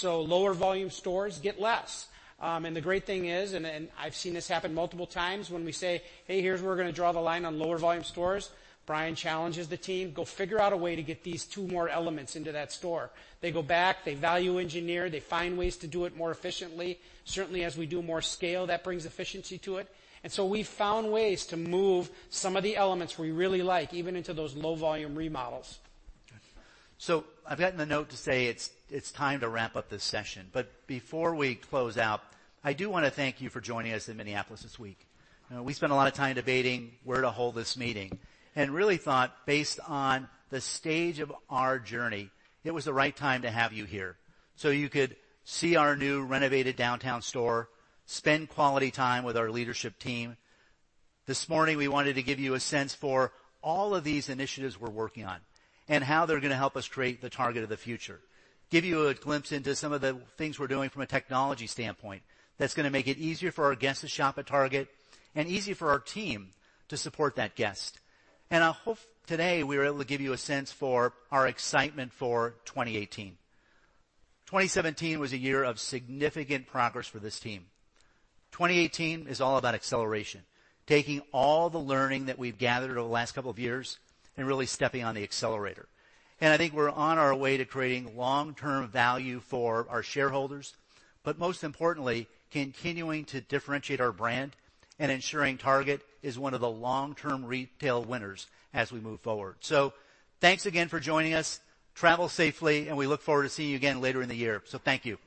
Lower volume stores get less. The great thing is, I've seen this happen multiple times, when we say, "Hey, here's where we're going to draw the line on lower volume stores," Brian challenges the team, "Go figure out a way to get these two more elements into that store." They go back. They value engineer. They find ways to do it more efficiently. Certainly, as we do more scale, that brings efficiency to it. We've found ways to move some of the elements we really like, even into those low volume remodels. I've gotten a note to say it's time to wrap up this session. Before we close out, I do want to thank you for joining us in Minneapolis this week. We spent a lot of time debating where to hold this meeting and really thought, based on the stage of our journey, it was the right time to have you here so you could see our new renovated downtown store, spend quality time with our leadership team. This morning, we wanted to give you a sense for all of these initiatives we're working on and how they're going to help us create the Target of the future, give you a glimpse into some of the things we're doing from a technology standpoint that's going to make it easier for our guests to shop at Target and easy for our team to support that guest. I hope today we were able to give you a sense for our excitement for 2018. 2017 was a year of significant progress for this team. 2018 is all about acceleration, taking all the learning that we've gathered over the last couple of years and really stepping on the accelerator. I think we're on our way to creating long-term value for our shareholders, but most importantly, continuing to differentiate our brand and ensuring Target is one of the long-term retail winners as we move forward. Thanks again for joining us. Travel safely, and we look forward to seeing you again later in the year. Thank you.